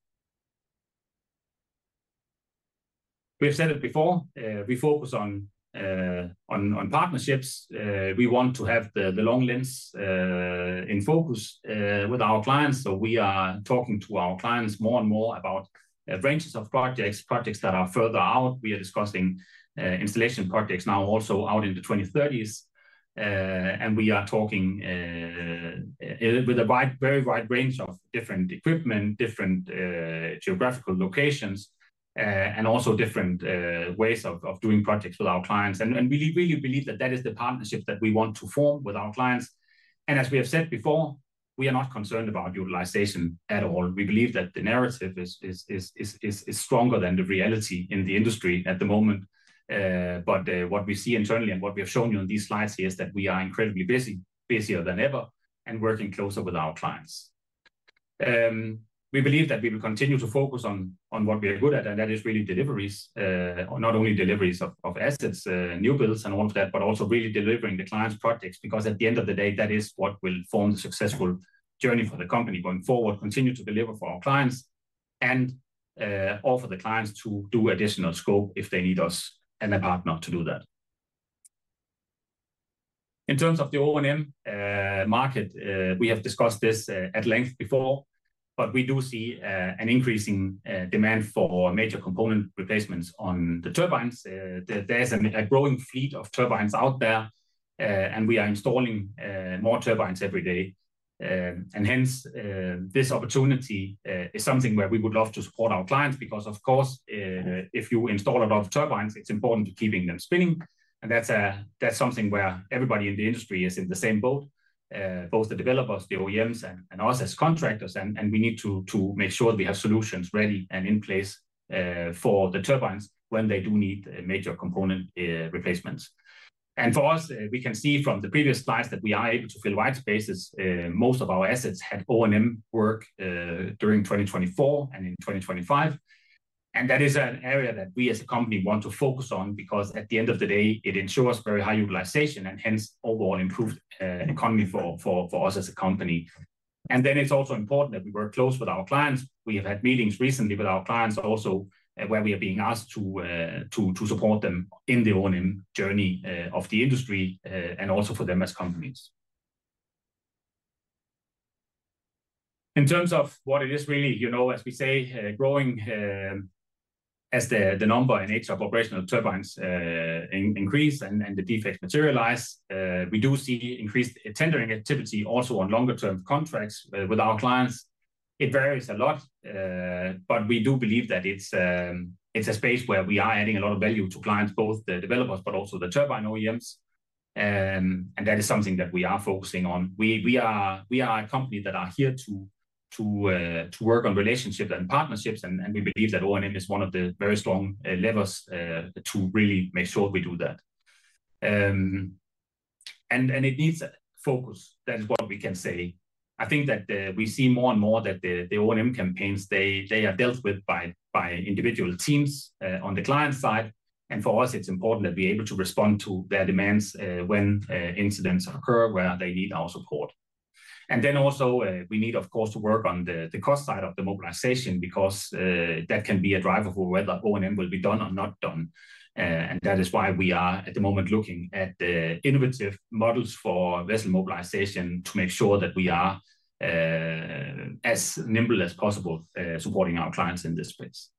We have said it before. We focus on partnerships. We want to have the long lens in focus with our clients. We are talking to our clients more and more about ranges of projects, projects that are further out. We are discussing installation projects now also out in the 2030s. We are talking with a very wide range of different equipment, different geographical locations, and also different ways of doing projects with our clients. We really believe that that is the partnership that we want to form with our clients. As we have said before, we are not concerned about utilization at all. We believe that the narrative is stronger than the reality in the industry at the moment. What we see internally and what we have shown you on these slides here is that we are incredibly busy, busier than ever, and working closer with our clients. We believe that we will continue to focus on what we are good at, and that is really deliveries, not only deliveries of assets, new builds and all of that, but also really delivering the clients' projects because at the end of the day, that is what will form the successful journey for the company going forward, continue to deliver for our clients, and offer the clients to do additional scope if they need us and a partner to do that. In terms of the O&M market, we have discussed this at length before, but we do see an increasing demand for major component replacements on the turbines. There is a growing fleet of turbines out there, and we are installing more turbines every day. This opportunity is something where we would love to support our clients because, of course, if you install a lot of turbines, it is important to keep them spinning. That is something where everybody in the industry is in the same boat, both the developers, the OEMs, and us as contractors. We need to make sure that we have solutions ready and in place for the turbines when they do need major component replacements. For us, we can see from the previous slides that we are able to fill white spaces. Most of our assets had O&M work during 2024 and in 2025. That is an area that we as a company want to focus on because at the end of the day, it ensures very high utilization and hence overall improved economy for us as a company. It is also important that we work close with our clients. We have had meetings recently with our clients where we are being asked to support them in the O&M journey of the industry and also for them as companies. In terms of what it is really, as we say, growing as the number and age of operational turbines increase and the defects materialize, we do see increased tendering activity also on longer-term contracts with our clients. It varies a lot, but we do believe that it is a space where we are adding a lot of value to clients, both the developers, but also the turbine OEMs. That is something that we are focusing on. We are a company that is here to work on relationships and partnerships, and we believe that O&M is one of the very strong levers to really make sure we do that. It needs focus. That is what we can say. I think that we see more and more that the O&M campaigns, they are dealt with by individual teams on the client side. For us, it's important that we are able to respond to their demands when incidents occur where they need our support. We need, of course, to work on the cost side of the mobilization because that can be a driver for whether O&M will be done or not done. That is why we are at the moment looking at innovative models for vessel mobilization to make sure that we are as nimble as possible supporting our clients in this space.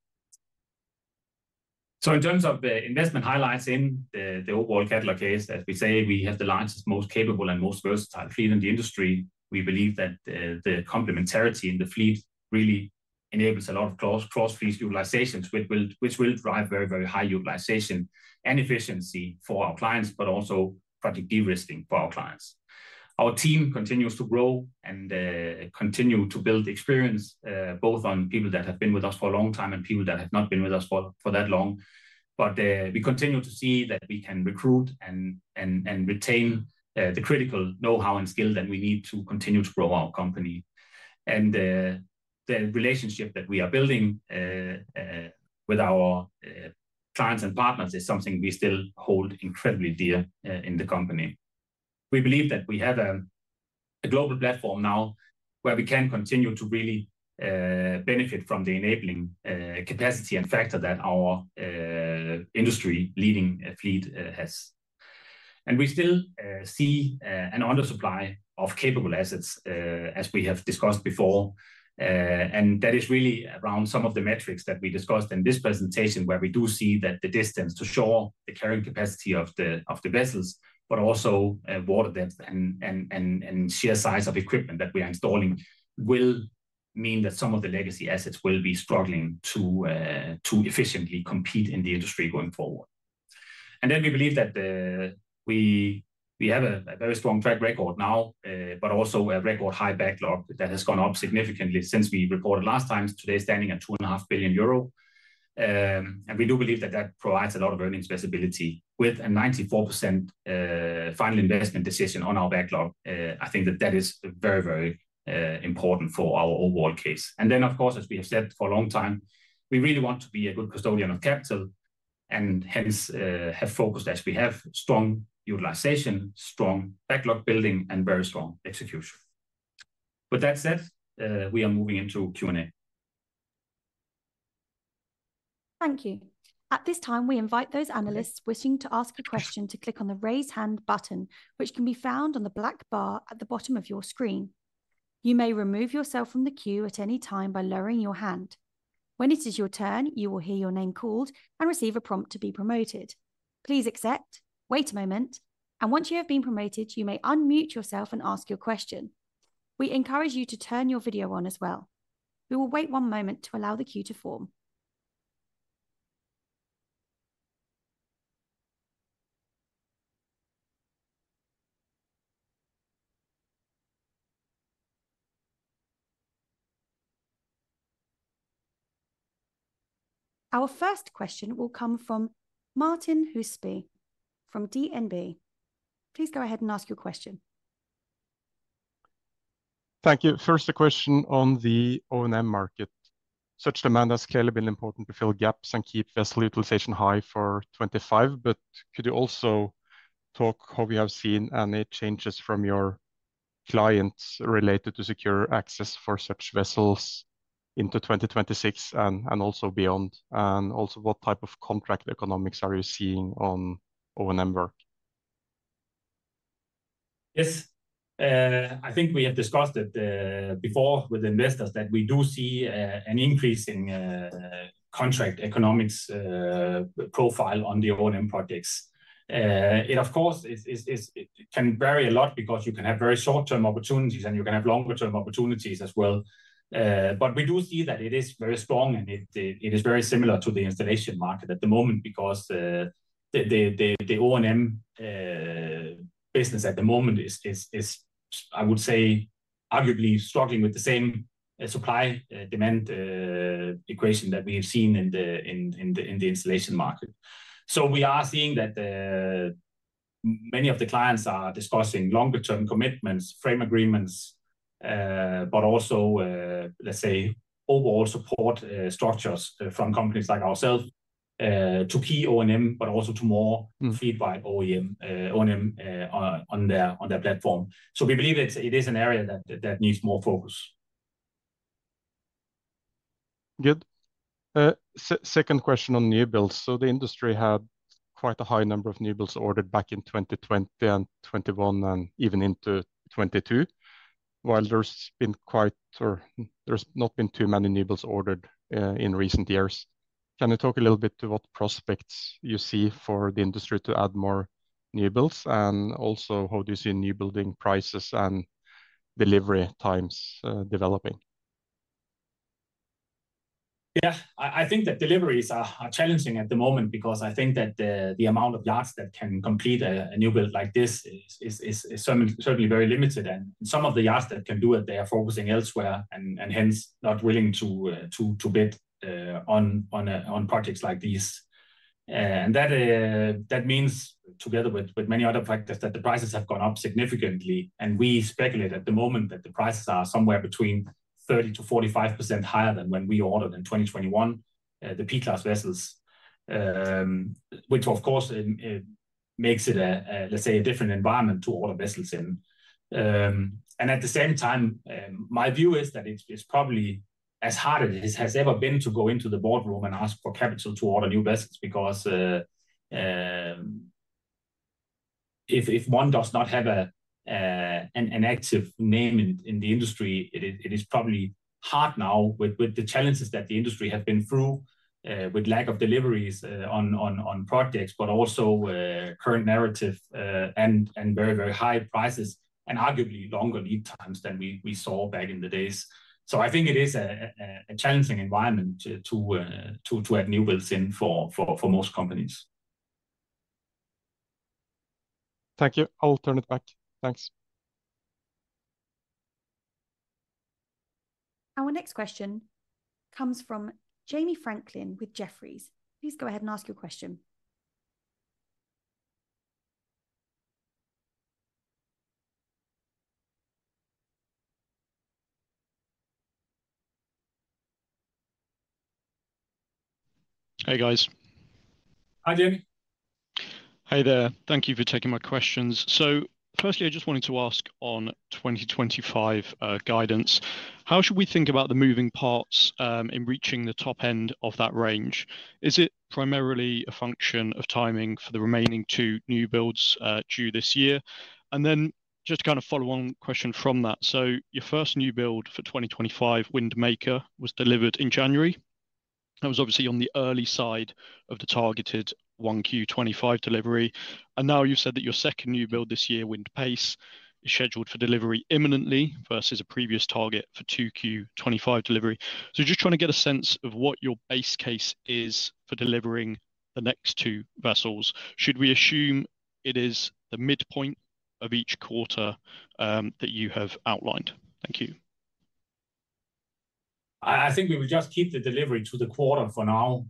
In terms of investment highlights in the overall Cadeler case, as we say, we have the largest, most capable, and most versatile fleet in the industry. We believe that the complementarity in the fleet really enables a lot of cross-fleet utilizations, which will drive very, very high utilization and efficiency for our clients, but also project de-risking for our clients. Our team continues to grow and continue to build experience both on people that have been with us for a long time and people that have not been with us for that long. We continue to see that we can recruit and retain the critical know-how and skill that we need to continue to grow our company. The relationship that we are building with our clients and partners is something we still hold incredibly dear in the company. We believe that we have a global platform now where we can continue to really benefit from the enabling capacity and factor that our industry leading fleet has. We still see an undersupply of capable assets, as we have discussed before. That is really around some of the metrics that we discussed in this presentation where we do see that the distance to shore, the carrying capacity of the vessels, but also water depth and sheer size of equipment that we are installing will mean that some of the legacy assets will be struggling to efficiently compete in the industry going forward. We believe that we have a very strong track record now, but also a record high backlog that has gone up significantly since we reported last time, today standing at 2.5 billion euro. We do believe that that provides a lot of earnings visibility with a 94% final investment decision on our backlog. I think that that is very, very important for our overall case. Of course, as we have said for a long time, we really want to be a good custodian of capital and hence have focused as we have strong utilization, strong backlog building, and very strong execution. With that said, we are moving into Q&A. Thank you. At this time, we invite those analysts wishing to ask a question to click on the raise hand button, which can be found on the black bar at the bottom of your screen. You may remove yourself from the queue at any time by lowering your hand. When it is your turn, you will hear your name called and receive a prompt to be promoted. Please accept, wait a moment, and once you have been promoted, you may unmute yourself and ask your question. We encourage you to turn your video on as well. We will wait one moment to allow the queue to form. Our first question will come from Martin Huseby from DNB. Please go ahead and ask your question. Thank you. First, a question on the O&M market. Such demand has clearly been important to fill gaps and keep vessel utilization high for 2025, but could you also talk how we have seen any changes from your clients related to secure access for such vessels into 2026 and also beyond? Also, what type of contract economics are you seeing on O&M work? Yes. I think we have discussed it before with investors that we do see an increase in contract economics profile on the O&M projects. It, of course, can vary a lot because you can have very short-term opportunities and you can have longer-term opportunities as well. We do see that it is very strong and it is very similar to the installation market at the moment because the O&M business at the moment is, I would say, arguably struggling with the same supply demand equation that we have seen in the installation market. We are seeing that many of the clients are discussing longer-term commitments, frame agreements, but also, let's say, overall support structures from companies like ourselves to key O&M, but also to more feedback O&M on their platform. We believe it is an area that needs more focus. Good. Second question on new builds. The industry had quite a high number of new builds ordered back in 2020 and 2021 and even into 2022, while there has not been too many new builds ordered in recent years. Can you talk a little bit to what prospects you see for the industry to add more new builds and also how do you see new building prices and delivery times developing? Yeah, I think that deliveries are challenging at the moment because I think that the amount of yards that can complete a new build like this is certainly very limited. Some of the yards that can do it, they are focusing elsewhere and hence not willing to bid on projects like these. That means, together with many other factors, that the prices have gone up significantly. We speculate at the moment that the prices are somewhere between 30%-45% higher than when we ordered in 2021, the P-class vessels, which, of course, makes it, let's say, a different environment to order vessels in. At the same time, my view is that it's probably as hard as it has ever been to go into the boardroom and ask for capital to order new vessels because if one does not have an active name in the industry, it is probably hard now with the challenges that the industry has been through with lack of deliveries on projects, but also current narrative and very, very high prices and arguably longer lead times than we saw back in the days. I think it is a challenging environment to add new builds in for most companies. Thank you. I'll turn it back. Thanks. Our next question comes from Jamie Franklin with Jefferies. Please go ahead and ask your question. Hey, guys. Hi, Jamie. Hi there. Thank you for taking my questions. Firstly, I just wanted to ask on 2025 guidance. How should we think about the moving parts in reaching the top end of that range? Is it primarily a function of timing for the remaining two new builds due this year? Just to kind of follow on question from that. Your first new build for 2025, Wind Maker, was delivered in January. That was obviously on the early side of the targeted 1Q 2025 delivery. Now you've said that your second new build this year, Wind Pace, is scheduled for delivery imminently versus a previous target for 2Q 2025 delivery. Just trying to get a sense of what your base case is for delivering the next two vessels. Should we assume it is the midpoint of each quarter that you have outlined? Thank you. I think we will just keep the delivery to the quarter for now.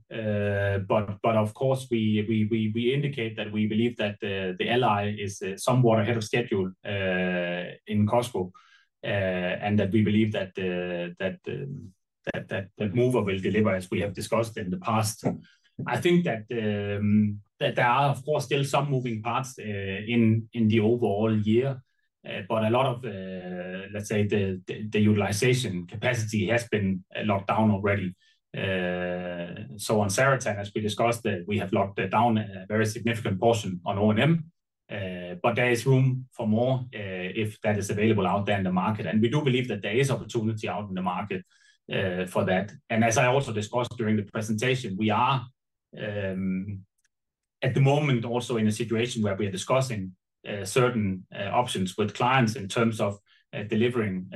Of course, we indicate that we believe that the LI is somewhat ahead of schedule in COSCO and that we believe that that mover will deliver as we have discussed in the past. I think that there are, of course, still some moving parts in the overall year, but a lot of, let's say, the utilization capacity has been locked down already. On Zaratan, as we discussed, we have locked down a very significant portion on O&M, but there is room for more if that is available out there in the market. We do believe that there is opportunity out in the market for that. As I also discussed during the presentation, we are at the moment also in a situation where we are discussing certain options with clients in terms of delivering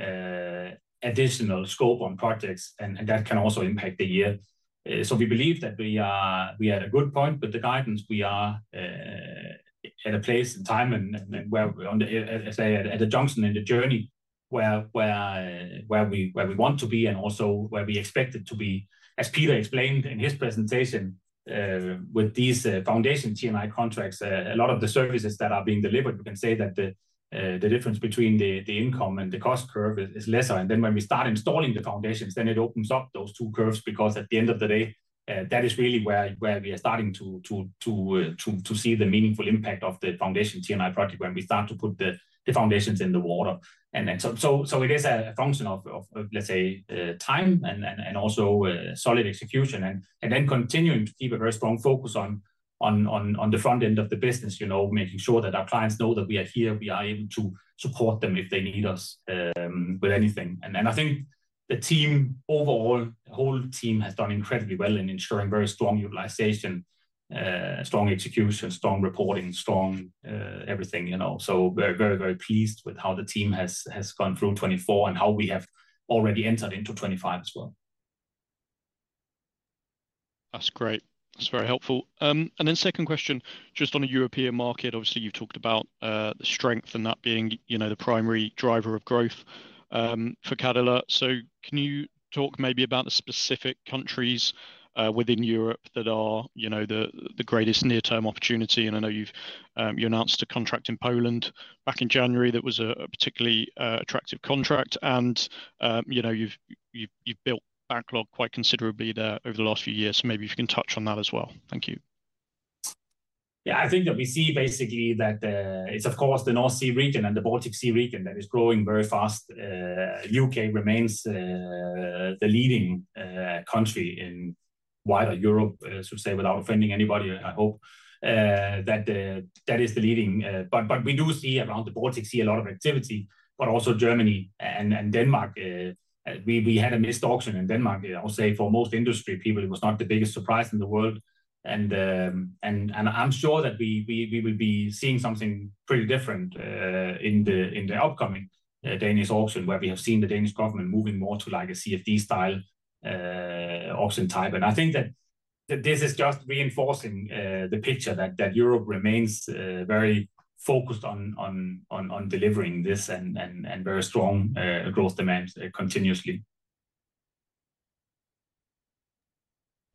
additional scope on projects, and that can also impact the year. We believe that we are at a good point with the guidance. We are at a place in time and where we're on, as I say, at a junction in the journey where we want to be and also where we expect it to be. As Peter explained in his presentation, with these foundation T&I contracts, a lot of the services that are being delivered, we can say that the difference between the income and the cost curve is lesser. When we start installing the foundations, it opens up those two curves because at the end of the day, that is really where we are starting to see the meaningful impact of the foundation T&I project when we start to put the foundations in the water. It is a function of, let's say, time and also solid execution and then continuing to keep a very strong focus on the front end of the business, making sure that our clients know that we are here, we are able to support them if they need us with anything. I think the team overall, the whole team has done incredibly well in ensuring very strong utilization, strong execution, strong reporting, strong everything. Very, very, very pleased with how the team has gone through 2024 and how we have already entered into 2025 as well. That's great. That's very helpful. Second question, just on the European market, obviously you've talked about the strength and that being the primary driver of growth for Cadeler. Can you talk maybe about the specific countries within Europe that are the greatest near-term opportunity? I know you announced a contract in Poland back in January that was a particularly attractive contract. You have built backlog quite considerably there over the last few years. Maybe if you can touch on that as well. Thank you. Yeah, I think that we see basically that it is, of course, the North Sea region and the Baltic Sea region that is growing very fast. The U.K. remains the leading country in wider Europe, I should say, without offending anybody. I hope that that is the leading. We do see around the Baltic Sea a lot of activity, but also Germany and Denmark. We had a missed auction in Denmark, I will say, for most industry people. It was not the biggest surprise in the world. I'm sure that we will be seeing something pretty different in the upcoming Danish auction where we have seen the Danish government moving more to like a CfD style auction type. I think that this is just reinforcing the picture that Europe remains very focused on delivering this and very strong growth demand continuously.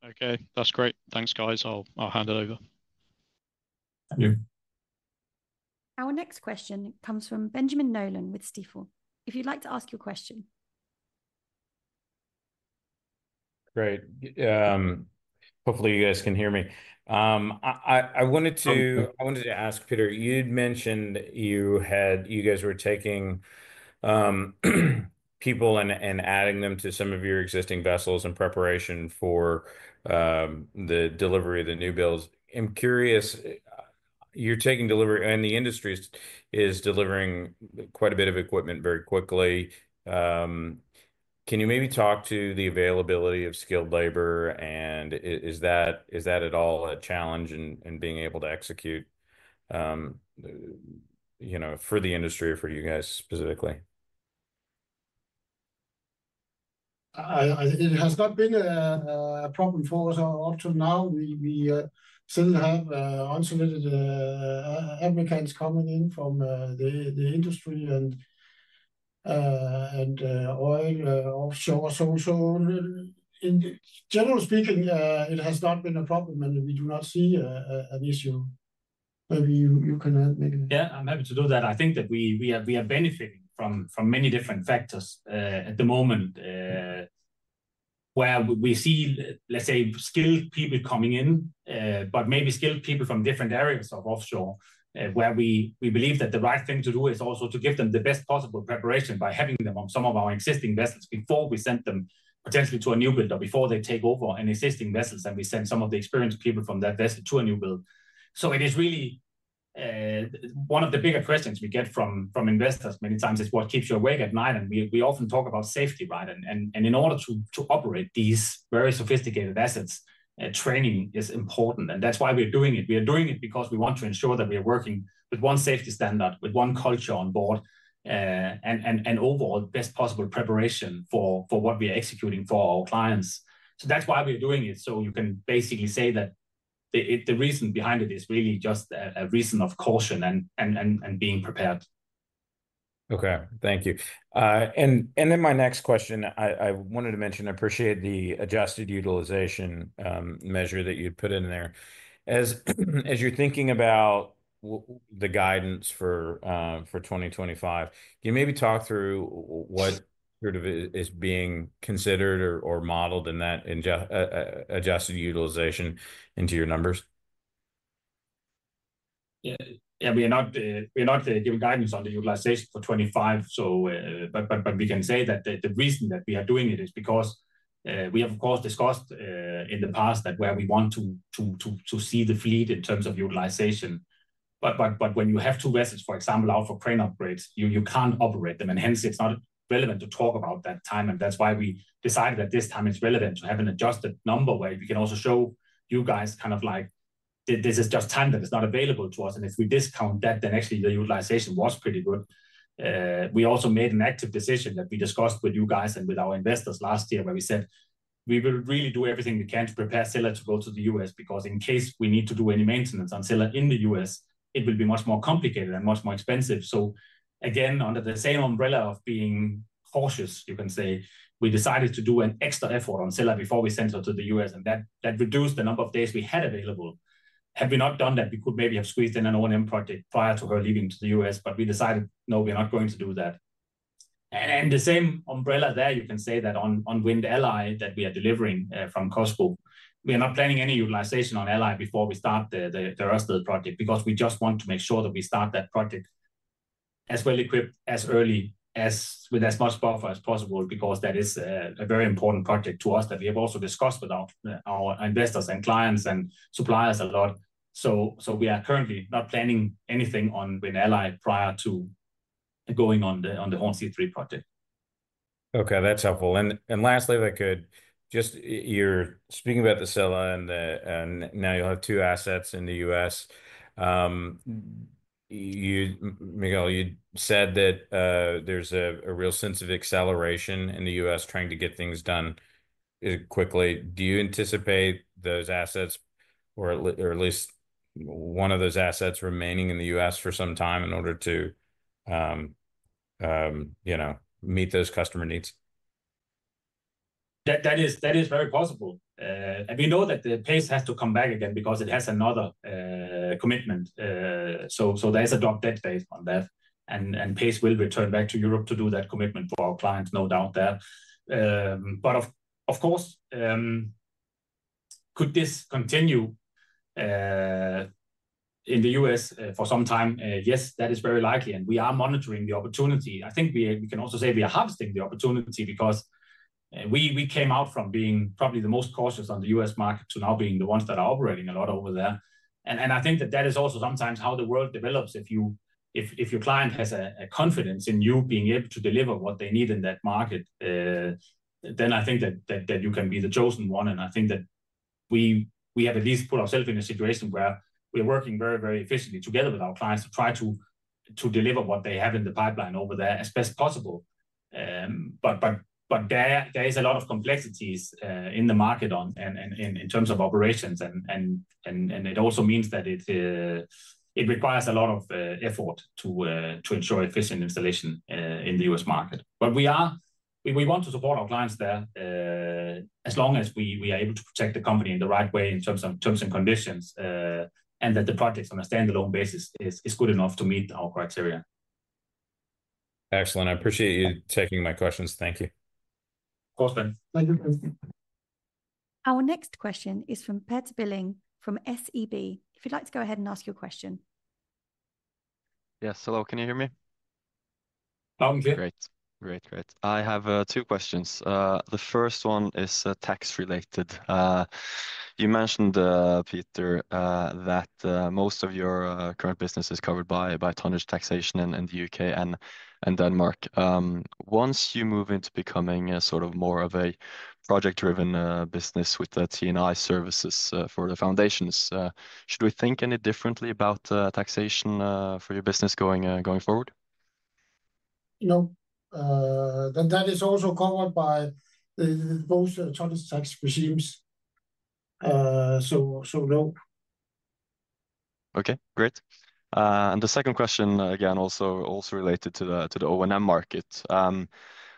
Okay, that's great. Thanks, guys. I'll hand it over. Thank you. Our next question comes from Benjamin Nolan with Stifel. If you'd like to ask your question. Great. Hopefully, you guys can hear me. I wanted to ask, Peter, you'd mentioned you guys were taking people and adding them to some of your existing vessels in preparation for the delivery of the new builds. I'm curious, you're taking delivery and the industry is delivering quite a bit of equipment very quickly. Can you maybe talk to the availability of skilled labor? Is that at all a challenge in being able to execute for the industry or for you guys specifically? It has not been a problem for us up to now. We still have unsolicited applicants coming in from the industry and oil offshore. Generally speaking, it has not been a problem and we do not see an issue. Maybe you can make it. Yeah, I'm happy to do that. I think that we are benefiting from many different factors at the moment where we see, let's say, skilled people coming in, but maybe skilled people from different areas of offshore where we believe that the right thing to do is also to give them the best possible preparation by having them on some of our existing vessels before we send them potentially to a new build before they take over an existing vessel and we send some of the experienced people from that vessel to a new build. It is really one of the bigger questions we get from investors many times: what keeps you awake at night. We often talk about safety, right? In order to operate these very sophisticated assets, training is important. That's why we're doing it. We are doing it because we want to ensure that we are working with one safety standard, with one culture on board, and overall best possible preparation for what we are executing for our clients. That is why we are doing it. You can basically say that the reason behind it is really just a reason of caution and being prepared. Okay, thank you. My next question, I wanted to mention, I appreciate the adjusted utilization measure that you'd put in there. As you're thinking about the guidance for 2025, can you maybe talk through what sort of is being considered or modeled in that adjusted utilization into your numbers? Yeah, we are not giving guidance on the utilization for 2025, but we can say that the reason that we are doing it is because we have, of course, discussed in the past that where we want to see the fleet in terms of utilization. When you have two vessels, for example, out for crane upgrades, you can't operate them. Hence, it's not relevant to talk about that time. That's why we decided that this time it's relevant to have an adjusted number where we can also show you guys kind of like this is just time that is not available to us. If we discount that, then actually the utilization was pretty good. We also made an active decision that we discussed with you guys and with our investors last year where we said we will really do everything we can to prepare Scylla to go to the U.S. because in case we need to do any maintenance on Scylla in the U.S., it will be much more complicated and much more expensive. Again, under the same umbrella of being cautious, you can say, we decided to do an extra effort on Scylla before we sent her to the U.S. That reduced the number of days we had available. Had we not done that, we could maybe have squeezed in an O&M project prior to her leaving to the U.S. We decided, no, we're not going to do that. Under the same umbrella there, you can say that on Wind Ally that we are delivering from COSCO, we are not planning any utilization on Ally before we start the Ørsted project because we just want to make sure that we start that project as well equipped, as early, with as much buffer as possible because that is a very important project to us that we have also discussed with our investors and clients and suppliers a lot. We are currently not planning anything on Wind Ally prior to going on the Hornsea 3 project. Okay, that's helpful. Lastly, if I could just, you're speaking about the Scylla, and now you'll have two assets in the U.S. Mikkel, you said that there's a real sense of acceleration in the U.S. trying to get things done quickly. Do you anticipate those assets or at least one of those assets remaining in the U.S. for some time in order to meet those customer needs? That is very possible. We know that Pace has to come back again because it has another commitment. There is a dock dead date on that. Pace will return back to Europe to do that commitment for our clients, no doubt there. Of course, could this continue in the U.S. for some time? Yes, that is very likely. We are monitoring the opportunity. I think we can also say we are harvesting the opportunity because we came out from being probably the most cautious on the U.S. market to now being the ones that are operating a lot over there. I think that is also sometimes how the world develops. If your client has confidence in you being able to deliver what they need in that market, I think that you can be the chosen one. I think that we have at least put ourselves in a situation where we are working very, very efficiently together with our clients to try to deliver what they have in the pipeline over there as best possible. There is a lot of complexities in the market in terms of operations. It also means that it requires a lot of effort to ensure efficient installation in the U.S. market. We want to support our clients there as long as we are able to protect the company in the right way in terms of terms and conditions and that the projects on a standalone basis are good enough to meet our criteria. Excellent. I appreciate you taking my questions. Thank you. Of course, Ben. Thank you. Our next question is from Perts Billing from SEB. If you'd like to go ahead and ask your question. Yes, hello, can you hear me? Sounds good. Great, great, great. I have two questions. The first one is tax-related. You mentioned, Peter, that most of your current business is covered by tonnage taxation in the U.K. and Denmark. Once you move into becoming a sort of more of a project-driven business with T&I services for the foundations, should we think any differently about taxation for your business going forward? No, that is also covered by both tonnage tax regimes. No. Okay, great. The second question, again, also related to the O&M market.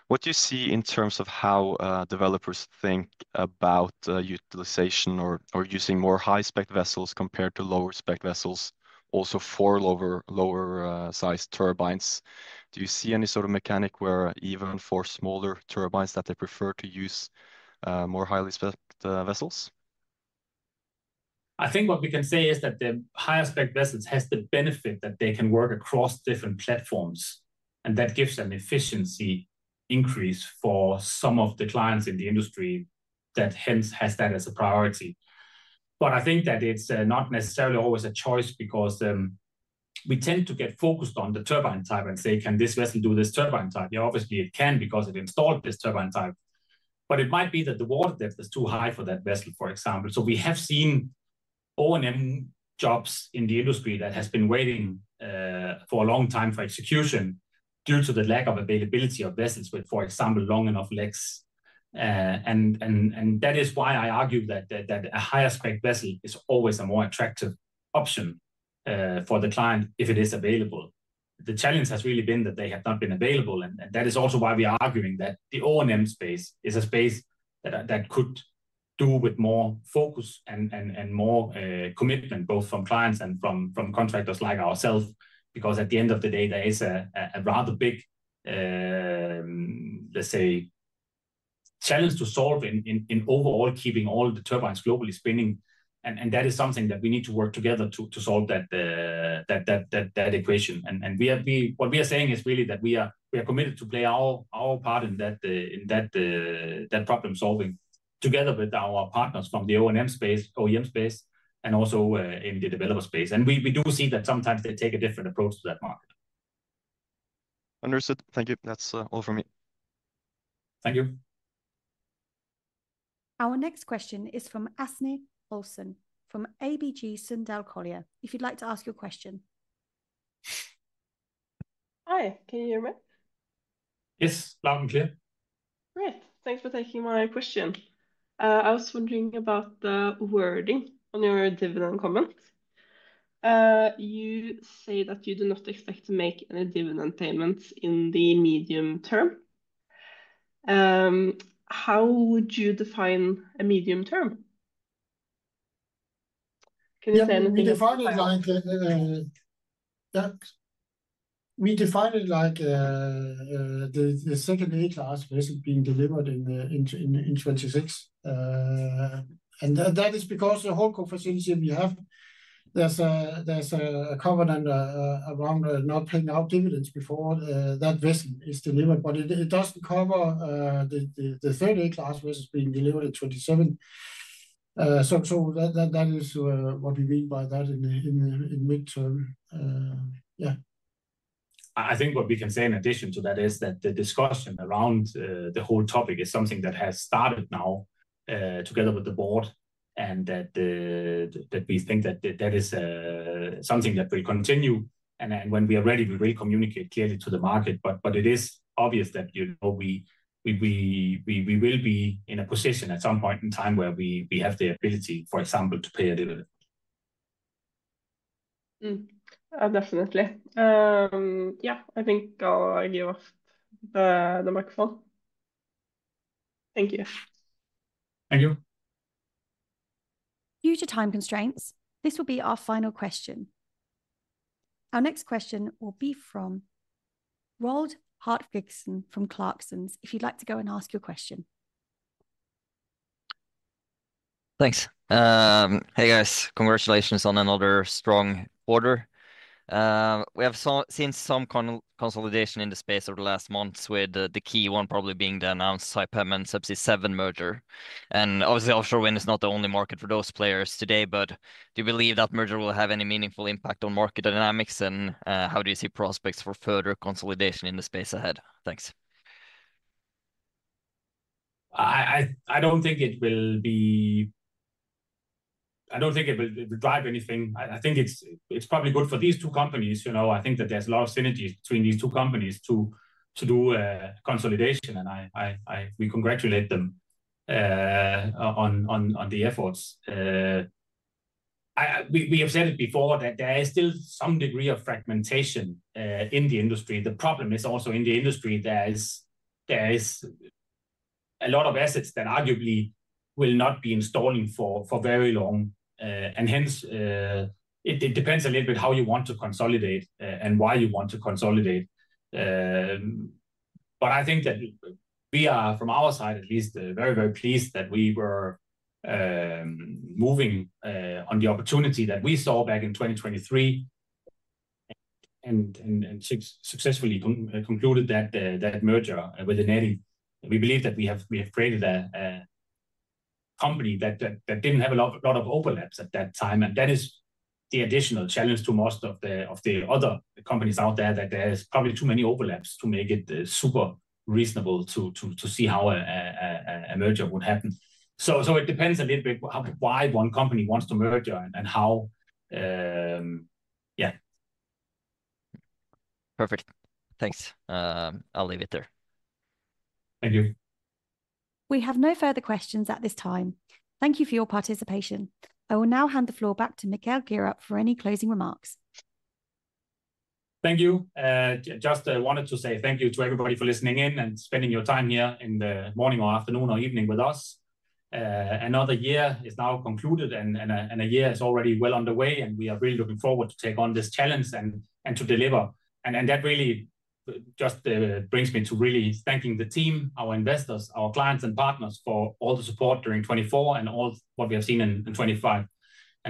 What do you see in terms of how developers think about utilization or using more high-spec vessels compared to lower-spec vessels, also for lower-sized turbines? Do you see any sort of mechanic where even for smaller turbines that they prefer to use more highly specced vessels? I think what we can say is that the higher-spec vessels have the benefit that they can work across different platforms. That gives an efficiency increase for some of the clients in the industry that hence has that as a priority. I think that it's not necessarily always a choice because we tend to get focused on the turbine type and say, can this vessel do this turbine type? Yeah, obviously it can because it installed this turbine type. It might be that the water depth is too high for that vessel, for example. We have seen O&M jobs in the industry that have been waiting for a long time for execution due to the lack of availability of vessels with, for example, long enough legs. That is why I argue that a higher-spec vessel is always a more attractive option for the client if it is available. The challenge has really been that they have not been available. That is also why we are arguing that the O&M space is a space that could do with more focus and more commitment both from clients and from contractors like ourselves because at the end of the day, there is a rather big, let's say, challenge to solve in overall keeping all the turbines globally spinning. That is something that we need to work together to solve that equation. What we are saying is really that we are committed to play our part in that problem-solving together with our partners from the O&M space, OEM space, and also in the developer space. We do see that sometimes they take a different approach to that market. Understood. Thank you. That's all from me. Thank you. Our next question is from Åsne Holsen from ABG Sundal Collier. If you'd like to ask your question. Hi, can you hear me? Yes, loud and clear. Great. Thanks for taking my question. I was wondering about the wording on your dividend comment. You say that you do not expect to make any dividend payments in the medium term. How would you define medium term? Can you say anything? We define it like that. We define it like the second A-class vessel being delivered in 2026. That is because the whole capacity we have, there's a covenant around not paying out dividends before that vessel is delivered. It does not cover the third A-class vessel being delivered in 2027. That is what we mean by that in the midterm. Yeah. I think what we can say in addition to that is that the discussion around the whole topic is something that has started now together with the board and that we think that is something that will continue. When we are ready, we will communicate clearly to the market. It is obvious that we will be in a position at some point in time where we have the ability, for example, to pay a dividend. Definitely. Yeah, I think I'll give off the microphone. Thank you. Thank you. Due to time constraints, this will be our final question. Our next question will be from Roald Hartvigsen from Clarksons. If you'd like to go and ask your question. Thanks. Hey guys, congratulations on another strong order. We have seen some consolidation in the space over the last months with the key one probably being the announced Saipem and Subsea7 merger. Obviously, offshore wind is not the only market for those players today, but do you believe that merger will have any meaningful impact on market dynamics? How do you see prospects for further consolidation in the space ahead? Thanks. I don't think it will be. I don't think it will drive anything. I think it's probably good for these two companies. I think that there's a lot of synergies between these two companies to do consolidation. We congratulate them on the efforts. We have said it before that there is still some degree of fragmentation in the industry. The problem is also in the industry, there is a lot of assets that arguably will not be installing for very long. Hence, it depends a little bit how you want to consolidate and why you want to consolidate. I think that we are, from our side at least, very, very pleased that we were moving on the opportunity that we saw back in 2023 and successfully concluded that merger with Eneti. We believe that we have created a company that did not have a lot of overlaps at that time. That is the additional challenge to most of the other companies out there, that there is probably too many overlaps to make it super reasonable to see how a merger would happen. It depends a little bit why one company wants to merge and how. Yeah. Perfect. Thanks. I'll leave it there. Thank you. We have no further questions at this time. Thank you for your participation. I will now hand the floor back to Mikkel Gleerup for any closing remarks. Thank you. Just wanted to say thank you to everybody for listening in and spending your time here in the morning or afternoon or evening with us. Another year is now concluded and a year is already well underway and we are really looking forward to take on this challenge and to deliver. That really just brings me to really thanking the team, our investors, our clients and partners for all the support during 2024 and all what we have seen in 2025.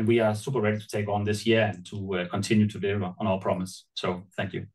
We are super ready to take on this year and to continue to deliver on our promise. Thank you.